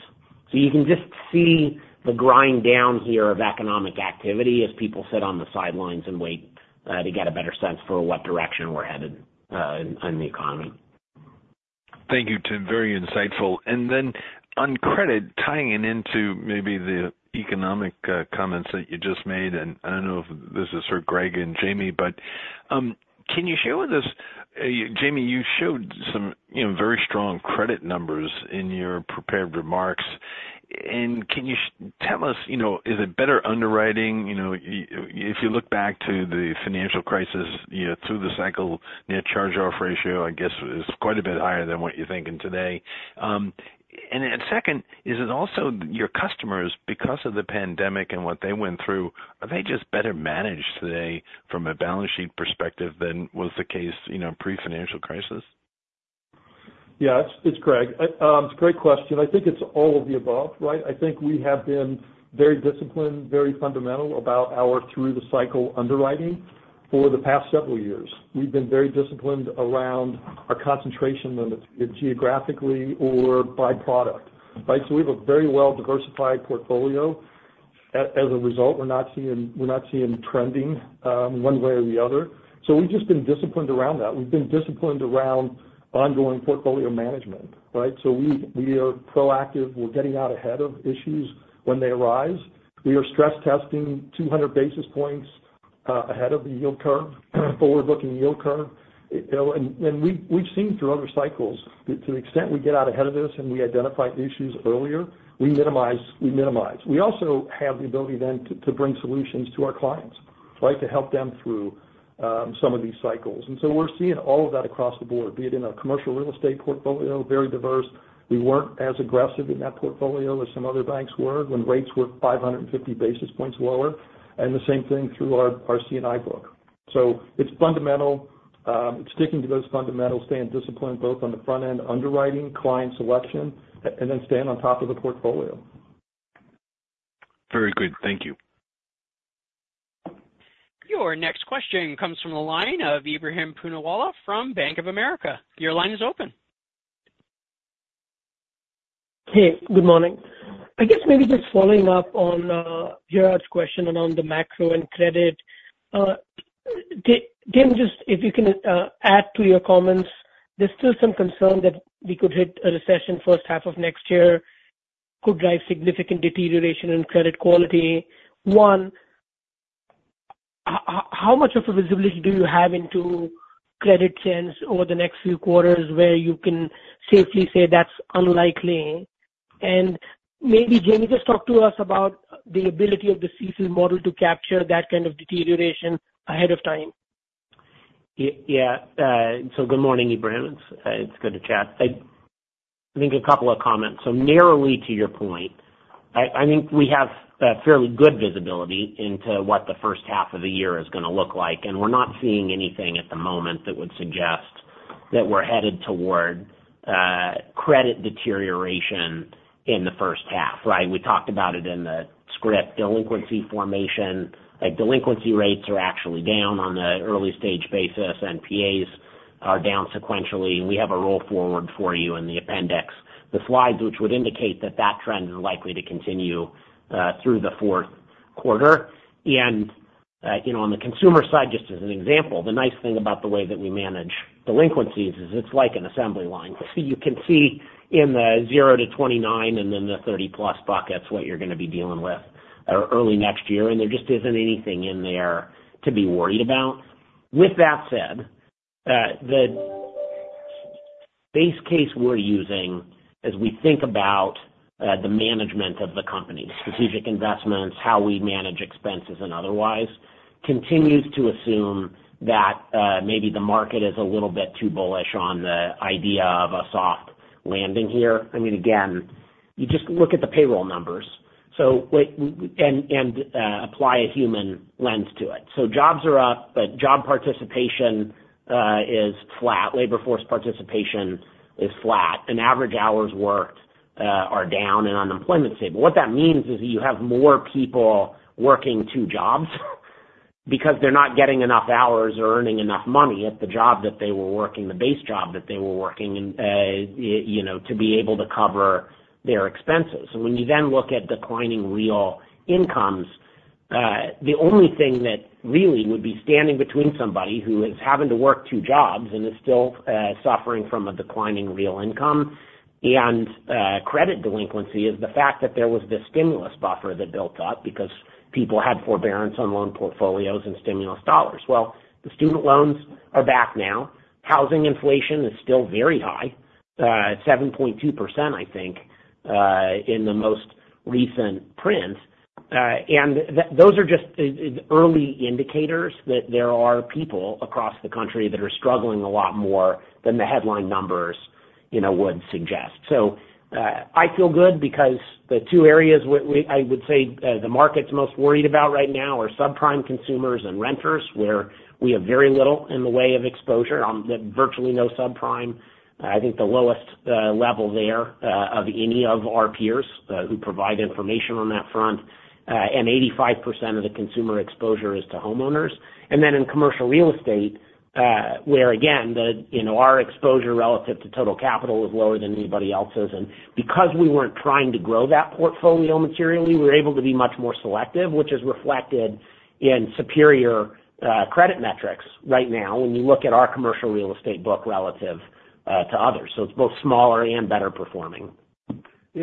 So you can just see the grind down here of economic activity as people sit on the sidelines and wait to get a better sense for what direction we're headed in the economy. Thank you, Tim. Very insightful. And then on credit, tying it into maybe the economic comments that you just made, and I don't know if this is for Greg and Jamie, but can you share with us, Jamie, you showed some, you know, very strong credit numbers in your prepared remarks. And can you tell us, you know, is it better underwriting? You know, if you look back to the financial crisis, you know, through the cycle, net charge-off ratio, I guess, is quite a bit higher than what you're thinking today. And second, is it also your customers, because of the pandemic and what they went through, are they just better managed today from a balance sheet perspective than was the case, you know, pre-financial crisis? Yeah, it's, it's Greg. It's a great question. I think it's all of the above, right? I think we have been very disciplined, very fundamental about our through-the-cycle underwriting for the past several years. We've been very disciplined around our concentration limits, geographically or by product, right? So we have a very well-diversified portfolio. As a result, we're not seeing, we're not seeing trending one way or the other. So we've just been disciplined around that. We've been disciplined around ongoing portfolio management, right? So we are proactive. We're getting out ahead of issues when they arise. We are stress testing 200 basis points- ... ahead of the yield curve, forward-looking yield curve. You know, and we've seen through other cycles that to the extent we get out ahead of this and we identify issues earlier, we minimize, we minimize. We also have the ability then to bring solutions to our clients, right? To help them through some of these cycles. And so we're seeing all of that across the board, be it in our commercial real estate portfolio, very diverse. We weren't as aggressive in that portfolio as some other banks were when rates were 550 basis points lower, and the same thing through our C&I book. So it's fundamental, sticking to those fundamentals, staying disciplined both on the front end, underwriting, client selection, and then staying on top of the portfolio. Very good. Thank you. Your next question comes from the line of Ebrahim Poonawala from Bank of America. Your line is open. Hey, good morning. I guess maybe just following up on Gerard's question around the macro and credit. Tim, just if you can add to your comments, there's still some concern that we could hit a recession first half of next year, could drive significant deterioration in credit quality. One, how much of a visibility do you have into credit trends over the next few quarters where you can safely say that's unlikely? And maybe, Jamie, just talk to us about the ability of the CECL model to capture that kind of deterioration ahead of time. Yeah. So good morning, Ebrahim. It's, it's good to chat. I think a couple of comments. So narrowly to your point, I, I think we have a fairly good visibility into what the first half of the year is gonna look like, and we're not seeing anything at the moment that would suggest that we're headed toward credit deterioration in the first half, right? We talked about it in the script. Delinquency formation, like, delinquency rates are actually down on the early stage basis, NPAs are down sequentially. We have a roll forward for you in the appendix, the slides, which would indicate that that trend is likely to continue through the Q4. And, you know, on the consumer side, just as an example, the nice thing about the way that we manage delinquencies is it's like an assembly line. So you can see in the 0-29 and then the 30+ buckets, what you're gonna be dealing with early next year, and there just isn't anything in there to be worried about. With that said, the base case we're using as we think about the management of the company, strategic investments, how we manage expenses and otherwise, continues to assume that maybe the market is a little bit too bullish on the idea of a soft landing here. I mean, again, you just look at the payroll numbers, and apply a human lens to it. So jobs are up, but job participation is flat. Labor force participation is flat, and average hours worked are down, and unemployment's stable. What that means is that you have more people working two jobs, because they're not getting enough hours or earning enough money at the job that they were working, the base job that they were working, and, you know, to be able to cover their expenses. So when you then look at declining real incomes, the only thing that really would be standing between somebody who is having to work two jobs and is still, suffering from a declining real income and, credit delinquency, is the fact that there was this stimulus buffer that built up because people had forbearance on loan portfolios and stimulus dollars. Well, the student loans are back now. Housing inflation is still very high, at 7.2%, I think, in the most recent print. And those are just early indicators that there are people across the country that are struggling a lot more than the headline numbers, you know, would suggest. So, I feel good because the two areas I would say the market's most worried about right now are subprime consumers and renters, where we have very little in the way of exposure. Virtually no subprime. I think the lowest level there of any of our peers who provide information on that front, and 85% of the consumer exposure is to homeowners. And then in commercial real estate, where again, the, you know, our exposure relative to total capital is lower than anybody else's. Because we weren't trying to grow that portfolio materially, we were able to be much more selective, which is reflected in superior credit metrics right now when you look at our commercial real estate book relative to others. It's both smaller and better performing.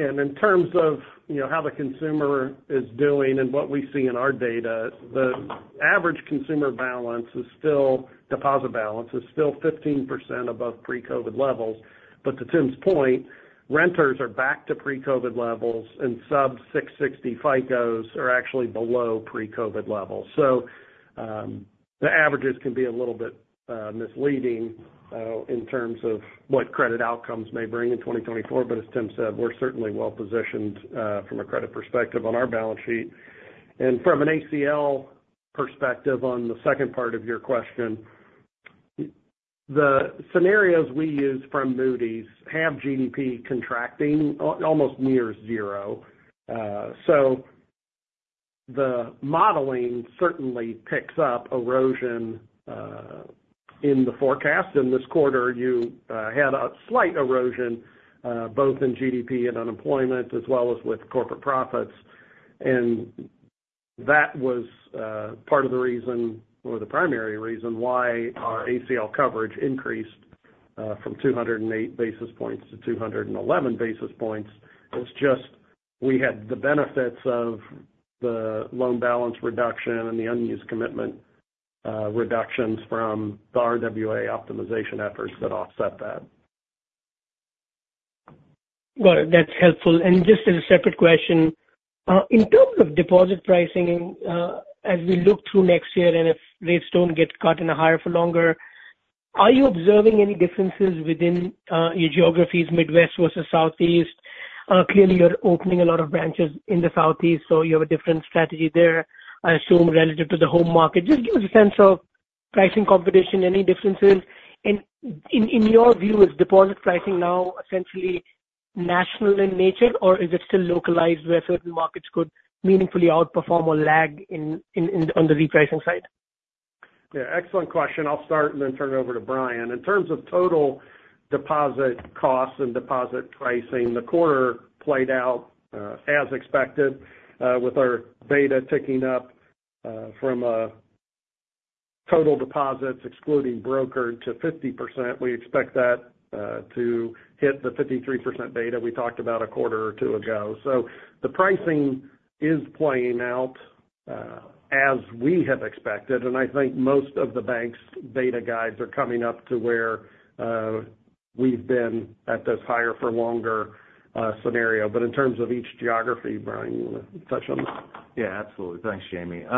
And in terms of, you know, how the consumer is doing and what we see in our data, the average consumer balance is still- deposit balance, is still 15% above pre-COVID levels. But to Tim's point, renters are back to pre-COVID levels, and sub-660 FICOs are actually below pre-COVID levels. So, the averages can be a little bit misleading in terms of what credit outcomes may bring in 2024. But as Tim said, we're certainly well positioned from a credit perspective on our balance sheet. And from an ACL perspective, on the second part of your question, the scenarios we use from Moody's have GDP contracting almost near zero. So the modeling certainly picks up erosion in the forecast. In this quarter, you had a slight erosion both in GDP and unemployment, as well as with corporate profits. That was part of the reason or the primary reason why our ACL coverage increased from 208 basis points to 211 basis points. It's just, we had the benefits of the loan balance reduction and the unused commitment reductions from the RWA optimization efforts that offset that. Well, that's helpful. And just as a separate question, in terms of deposit pricing, as we look through next year, and if rates don't get cut in a higher for longer, are you observing any differences within your geographies, Midwest versus Southeast? Clearly, you're opening a lot of branches in the Southeast, so you have a different strategy there, I assume, relative to the home market. Just give us a sense of pricing competition, any differences? And in your view, is deposit pricing now essentially national in nature, or is it still localized where certain markets could meaningfully outperform or lag in on the repricing side? Yeah, excellent question. I'll start and then turn it over to Bryan. In terms of total deposit costs and deposit pricing, the quarter played out, as expected, with our beta ticking up, from, total deposits, excluding broker, to 50%. We expect that, to hit the 53% beta we talked about a quarter or two ago. So the pricing is playing out, as we have expected, and I think most of the bank's beta guides are coming up to where, we've been at this higher for longer, scenario. But in terms of each geography, Bryan, you want to touch on that? Yeah, absolutely. Thanks, Jamie. You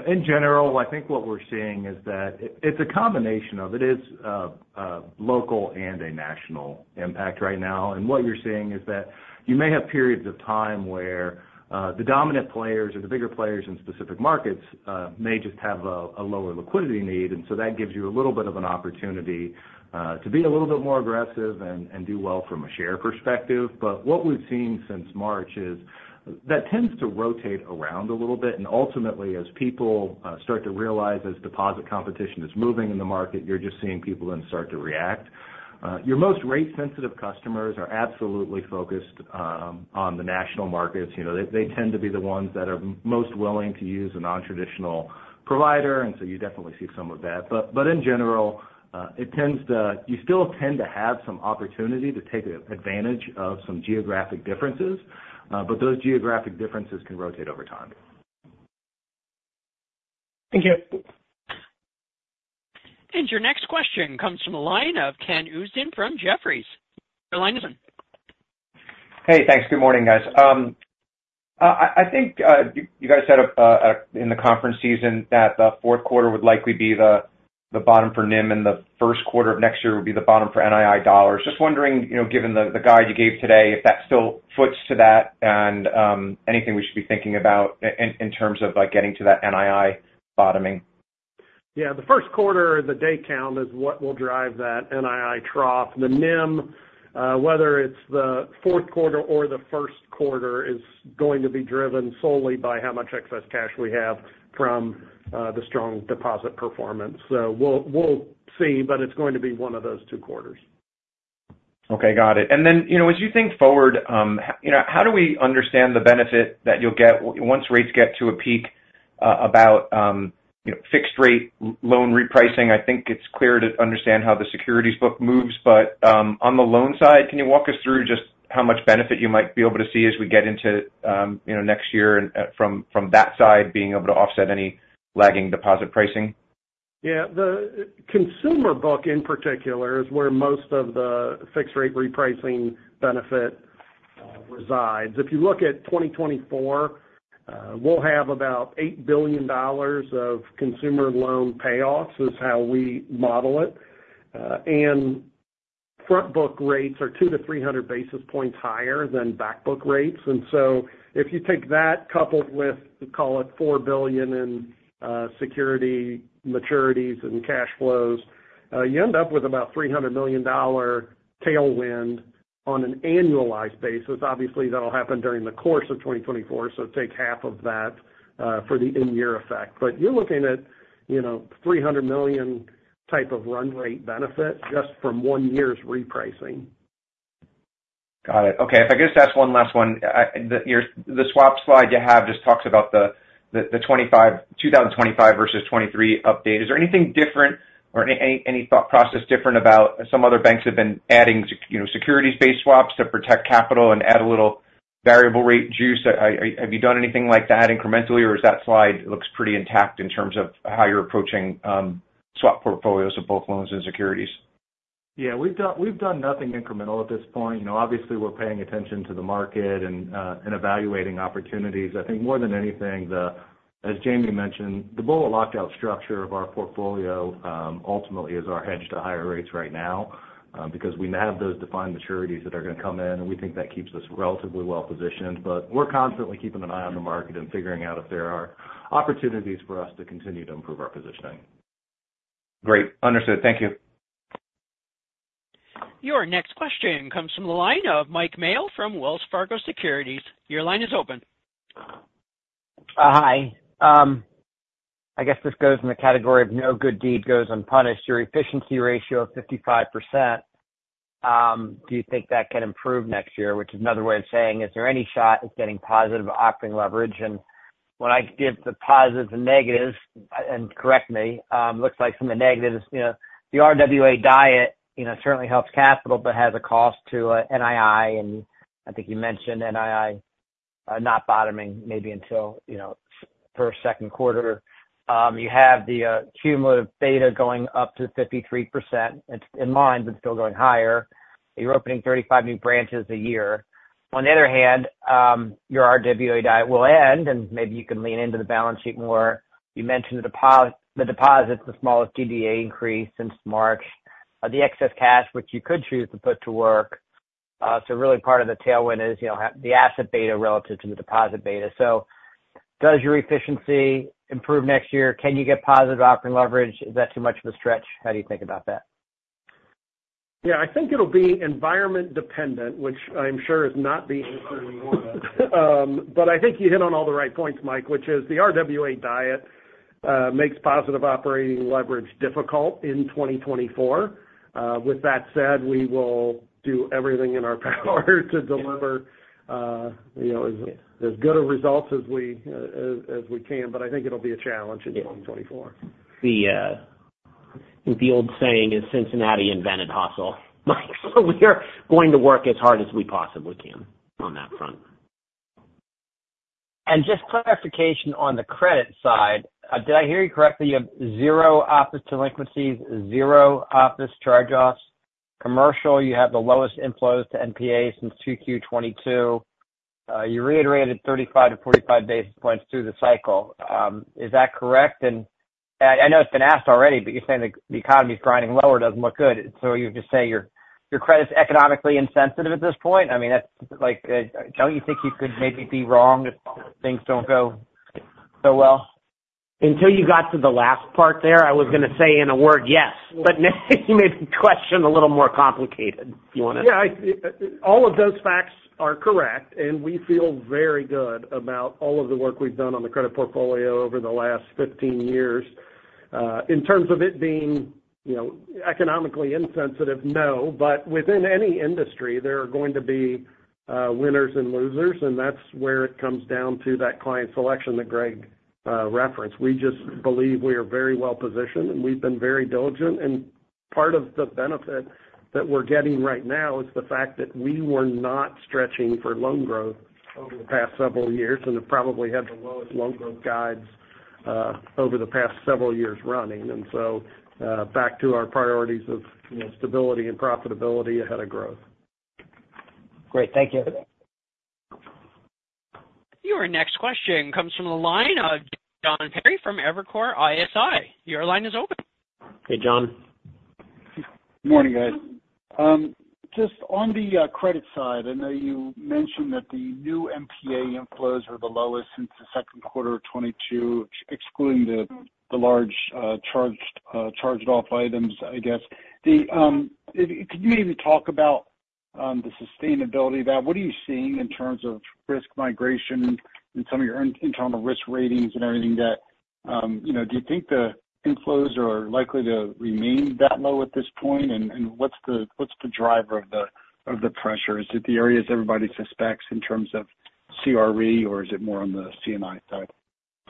know, in general, I think what we're seeing is that it's a combination of local and a national impact right now. And what you're seeing is that you may have periods of time where the dominant players or the bigger players in specific markets may just have a lower liquidity need. And so that gives you a little bit of an opportunity to be a little bit more aggressive and do well from a share perspective. But what we've seen since March is that tends to rotate around a little bit, and ultimately, as people start to realize, as deposit competition is moving in the market, you're just seeing people then start to react. Your most rate-sensitive customers are absolutely focused on the national markets. You know, they tend to be the ones that are most willing to use a nontraditional provider, and so you definitely see some of that. But in general, it tends to, you still tend to have some opportunity to take an advantage of some geographic differences, but those geographic differences can rotate over time. Thank you. Your next question comes from the line of Ken Usdin from Jefferies. Your line is open. Hey, thanks. Good morning, guys. I think you guys said in the conference season that the Q4 would likely be the bottom for NIM, and the Q1 of next year would be the bottom for NII dollars. Just wondering, you know, given the guide you gave today, if that still foots to that and anything we should be thinking about in terms of, like, getting to that NII bottoming? Yeah, the Q1, the day count, is what will drive that NII trough. The NIM, whether it's the Q4 or the Q1, is going to be driven solely by how much excess cash we have from the strong deposit performance. So we'll, we'll see, but it's going to be one of those two quarters. Okay, got it. And then, you know, as you think forward, you know, how do we understand the benefit that you'll get once rates get to a peak, about, you know, fixed rate loan repricing? I think it's clear to understand how the securities book moves. But, on the loan side, can you walk us through just how much benefit you might be able to see as we get into, you know, next year and, from, from that side, being able to offset any lagging deposit pricing? Yeah, the consumer book, in particular, is where most of the fixed rate repricing benefit resides. If you look at 2024, we'll have about $8 billion of consumer loan payoffs, is how we model it. And front book rates are 200-300 basis points higher than back book rates. And so if you take that, coupled with, call it, $4 billion in security maturities and cash flows, you end up with about $300 million tailwind on an annualized basis. Obviously, that'll happen during the course of 2024, so take half of that for the in-year effect. But you're looking at, you know, $300 million type of run rate benefit just from one year's repricing. Got it. Okay, if I could just ask one last one. The, your—the swap slide you have just talks about the, the, the 25, 2025 versus 2023 update. Is there anything different or any thought process different about some other banks have been adding sec—you know, securities-based swaps to protect capital and add a little variable rate juice? Have you done anything like that incrementally, or is that slide looks pretty intact in terms of how you're approaching swap portfolios of both loans and securities? Yeah, we've done, we've done nothing incremental at this point. You know, obviously, we're paying attention to the market and, and evaluating opportunities. I think more than anything, the, as Jamie mentioned, the bullet lockout structure of our portfolio ultimately is our hedge to higher rates right now, because we have those defined maturities that are going to come in, and we think that keeps us relatively well-positioned. But we're constantly keeping an eye on the market and figuring out if there are opportunities for us to continue to improve our positioning. Great. Understood. Thank you. Your next question comes from the line of Mike Mayo from Wells Fargo Securities. Your line is open. Hi. I guess this goes in the category of no good deed goes unpunished. Your efficiency ratio of 55%. Do you think that can improve next year? Which is another way of saying, is there any shot at getting positive operating leverage? And when I give the positives and negatives, and correct me, looks like some of the negatives, you know, the RWA diet, you know, certainly helps capital, but has a cost to NII. And I think you mentioned NII not bottoming maybe until, you know, first, Q2 You have the cumulative beta going up to 53%. It's in line, but still going higher. You're opening 35 new branches a year. On the other hand, your RWA diet will end, and maybe you can lean into the balance sheet more. You mentioned the deposits, the smallest GDA increase since March. The excess cash, which you could choose to put to work. So really part of the tailwind is, you know, the asset beta relative to the deposit beta. So does your efficiency improve next year? Can you get positive operating leverage? Is that too much of a stretch? How do you think about that? Yeah, I think it'll be environment dependent, which I'm sure is not the answer we want. But I think you hit on all the right points, Mike, which is the RWA diet makes positive operating leverage difficult in 2024. With that said, we will do everything in our power to deliver, you know, as, as good a results as we, as, as we can, but I think it'll be a challenge in 2024. The old saying is, Cincinnati invented hustle. So we are going to work as hard as we possibly can on that front. Just clarification on the credit side, did I hear you correctly? You have 0 office delinquencies, 0 office charge-offs. Commercial, you have the lowest inflows to NPA since 2Q 2022. You reiterated 35-45 basis points through the cycle. Is that correct? And I, I know it's been asked already, but you're saying the, the economy is grinding lower, doesn't look good. So you're just saying your, your credit is economically insensitive at this point? I mean, that's like, don't you think you could maybe be wrong if things don't go so well? Until you got to the last part there, I was going to say in a word, yes. But now you made the question a little more complicated. You want to- Yeah, all of those facts are correct, and we feel very good about all of the work we've done on the credit portfolio over the last 15 years. In terms of it being, you know, economically insensitive, no. But within any industry, there are going to be winners and losers, and that's where it comes down to that client selection that Greg referenced. We just believe we are very well positioned, and we've been very diligent. And part of the benefit that we're getting right now is the fact that we were not stretching for loan growth over the past several years and have probably had the lowest loan growth guides over the past several years running. And so, back to our priorities of, you know, stability and profitability ahead of growth. Great. Thank you. Your next question comes from the line of John Pancari from Evercore ISI. Your line is open. Hey, John. Good morning, guys. Just on the credit side, I know you mentioned that the new NPA inflows are the lowest since the Q2 of 2022, excluding the large charged off items, I guess. Could you maybe talk about the sustainability of that? What are you seeing in terms of risk migration and some of your internal risk ratings and everything that, you know, do you think the inflows are likely to remain that low at this point? And what's the driver of the pressure? Is it the areas everybody suspects in terms of CRE, or is it more on the C&I side?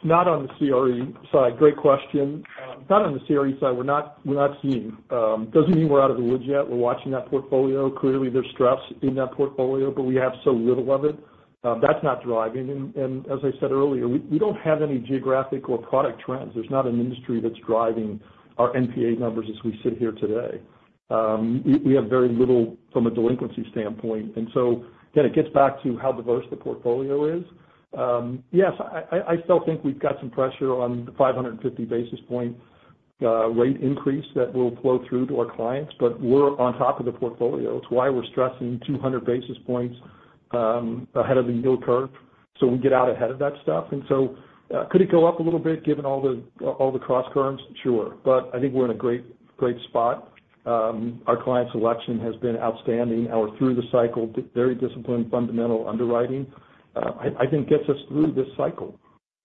Not on the CRE side. Great question. Not on the CRE side. We're not, we're not seeing, doesn't mean we're out of the woods yet. We're watching that portfolio. Clearly, there's stress in that portfolio, but we have so little of it. That's not driving. And as I said earlier, we don't have any geographic or product trends. There's not an industry that's driving our NPA numbers as we sit here today. We have very little from a delinquency standpoint, and so again, it gets back to how diverse the portfolio is. Yes, I still think we've got some pressure on the 550 basis point rate increase that will flow through to our clients, but we're on top of the portfolio. It's why we're stressing 200 basis points ahead of the yield curve, so we get out ahead of that stuff. And so, could it go up a little bit given all the, all the cross currents? Sure. But I think we're in a great, great spot. Our client selection has been outstanding. Our through the cycle, very disciplined, fundamental underwriting, I think gets us through this cycle.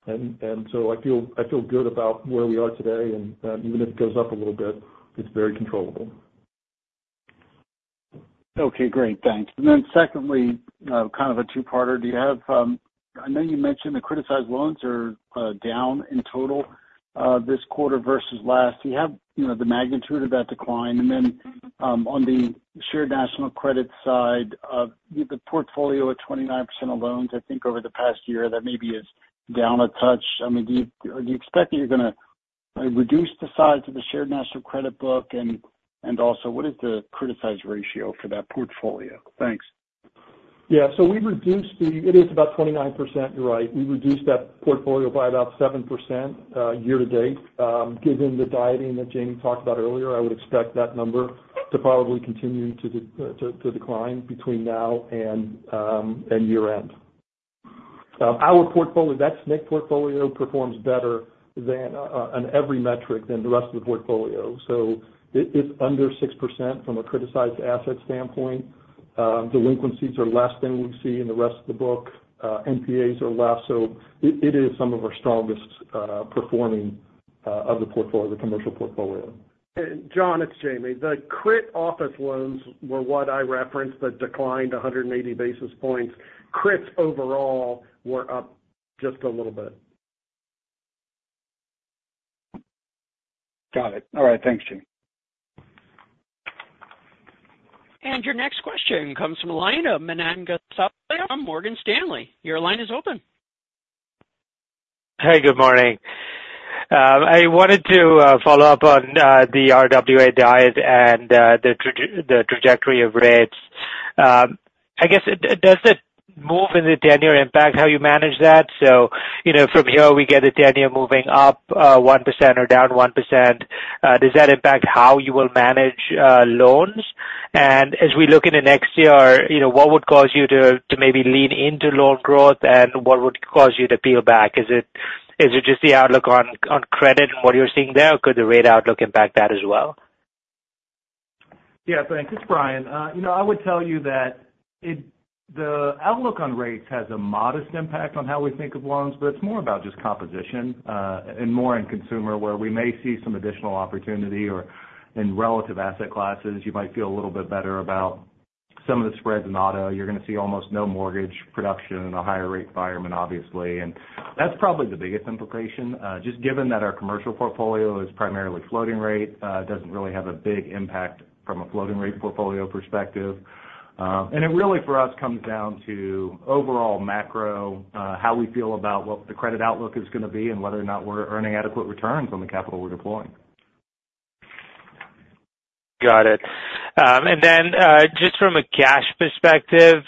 And so I feel, I feel good about where we are today, and even if it goes up a little bit, it's very controllable. Okay, great. Thanks. And then secondly, kind of a two-parter. Do you have, I know you mentioned the criticized loans are down in total this quarter versus last. Do you have, you know, the magnitude of that decline? And then, on the shared national credit side, the portfolio at 29% of loans, I think over the past year, that maybe is down a touch. I mean, do you, do you expect that you're gonna reduce the size of the shared national credit book? And, and also, what is the criticized ratio for that portfolio? Thanks. Yeah, so we reduced the it is about 29%, you're right. We reduced that portfolio by about 7% year to date. Given the dieting that Jamie talked about earlier, I would expect that number to probably continue to decline between now and year-end. Our portfolio, that SNC portfolio, performs better than on every metric than the rest of the portfolio. So it, it's under 6% from a criticized asset standpoint. Delinquencies are less than we see in the rest of the book. NPAs are less, so it, it is some of our strongest performing.... of the portfolio, the commercial portfolio. John, it's Jamie. The CRE office loans were what I referenced that declined 180 basis points. CREs overall were up just a little bit. Got it. All right, thanks, Jamie. Your next question comes from the line of Manan Gosalia from Morgan Stanley. Your line is open. Hey, good morning. I wanted to follow up on the RWA diet and the trajectory of rates. I guess, does the move in the ten-year impact how you manage that? So, you know, from here, we get a ten-year moving up 1% or down 1%. Does that impact how you will manage loans? And as we look into next year, you know, what would cause you to maybe lean into loan growth, and what would cause you to peel back? Is it just the outlook on credit and what you're seeing there, or could the rate outlook impact that as well? Yeah, thanks. It's Bryan. You know, I would tell you that the outlook on rates has a modest impact on how we think of loans, but it's more about just composition, and more in consumer, where we may see some additional opportunity or in relative asset classes. You might feel a little bit better about some of the spreads in auto. You're going to see almost no mortgage production in a higher rate environment, obviously. And that's probably the biggest implication. Just given that our commercial portfolio is primarily floating rate, it doesn't really have a big impact from a floating rate portfolio perspective. And it really, for us, comes down to overall macro, how we feel about what the credit outlook is going to be and whether or not we're earning adequate returns on the capital we're deploying. Got it. And then, just from a cash perspective,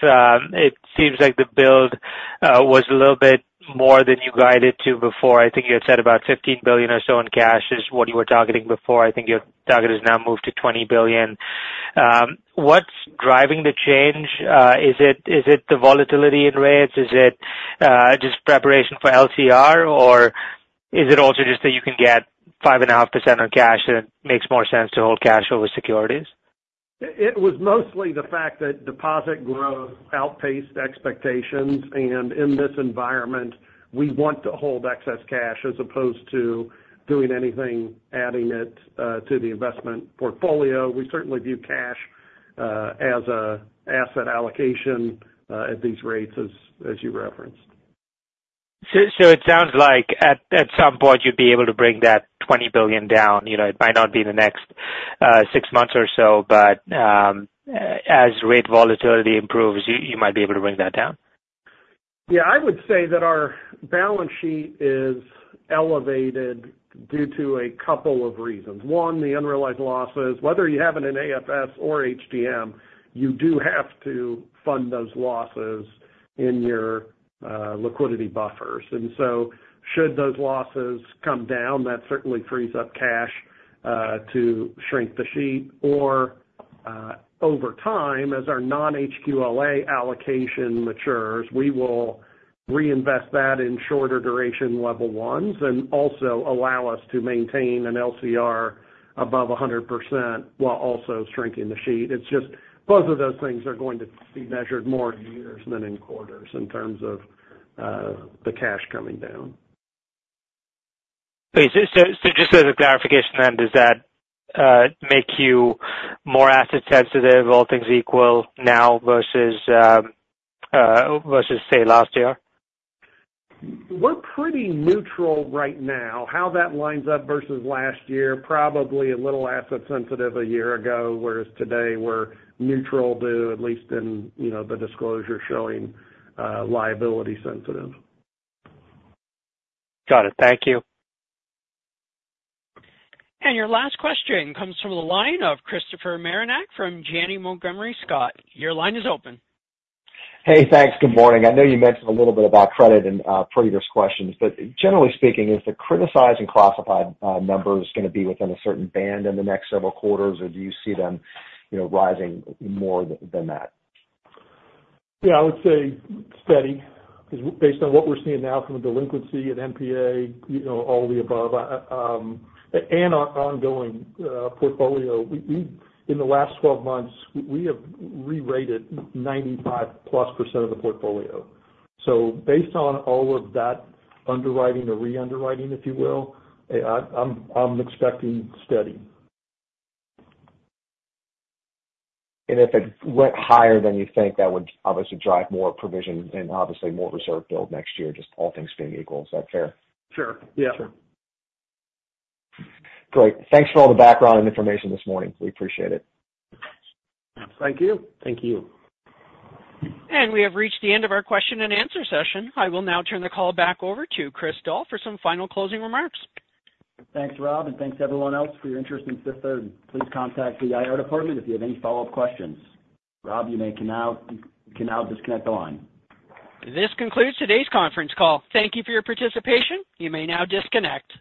it seems like the build was a little bit more than you guided to before. I think you had said about $15 billion or so in cash is what you were targeting before. I think your target has now moved to $20 billion. What's driving the change? Is it, is it the volatility in rates? Is it just preparation for LCR, or is it also just that you can get 5.5% on cash and it makes more sense to hold cash over securities? It was mostly the fact that deposit growth outpaced expectations, and in this environment, we want to hold excess cash as opposed to doing anything, adding it to the investment portfolio. We certainly view cash as a asset allocation at these rates, as you referenced. So it sounds like at some point, you'd be able to bring that $20 billion down. You know, it might not be the next six months or so, but as rate volatility improves, you might be able to bring that down? Yeah, I would say that our balance sheet is elevated due to a couple of reasons. One, the unrealized losses. Whether you have it in AFS or HTM, you do have to fund those losses in your, liquidity buffers. And so should those losses come down, that certainly frees up cash, to shrink the sheet, or, over time, as our non-HQLA allocation matures, we will reinvest that in shorter duration Level 1s and also allow us to maintain an LCR above 100% while also shrinking the sheet. It's just both of those things are going to be measured more in years than in quarters in terms of, the cash coming down. So, just as a clarification then, does that make you more asset sensitive, all things equal now versus, say, last year? We're pretty neutral right now. How that lines up versus last year, probably a little asset sensitive a year ago, whereas today, we're neutral to at least in, you know, the disclosure showing liability sensitive. Got it. Thank you. Your last question comes from the line of Christopher Marinac from Janney Montgomery Scott. Your line is open. Hey, thanks. Good morning. I know you mentioned a little bit about credit in previous questions, but generally speaking, is the criticized and classified numbers going to be within a certain band in the next several quarters, or do you see them, you know, rising more than that? Yeah, I would say steady. Because based on what we're seeing now from a delinquency at NPA, you know, all of the above, and our ongoing portfolio, in the last 12 months, we have rerated 95%+ of the portfolio. So based on all of that underwriting or re-underwriting, if you will, I'm expecting steady. If it went higher than you think, that would obviously drive more provision and obviously more reserve build next year, just all things being equal. Is that fair? Sure. Yeah. Sure. Great. Thanks for all the background and information this morning. We appreciate it. Thank you. Thank you. We have reached the end of our question and answer session. I will now turn the call back over to Chris Doll for some final closing remarks. Thanks, Rob, and thanks everyone else for your interest in Fifth Third, and please contact the IR department if you have any follow-up questions. Rob, you can now disconnect the line. This concludes today's conference call. Thank you for your participation. You may now disconnect.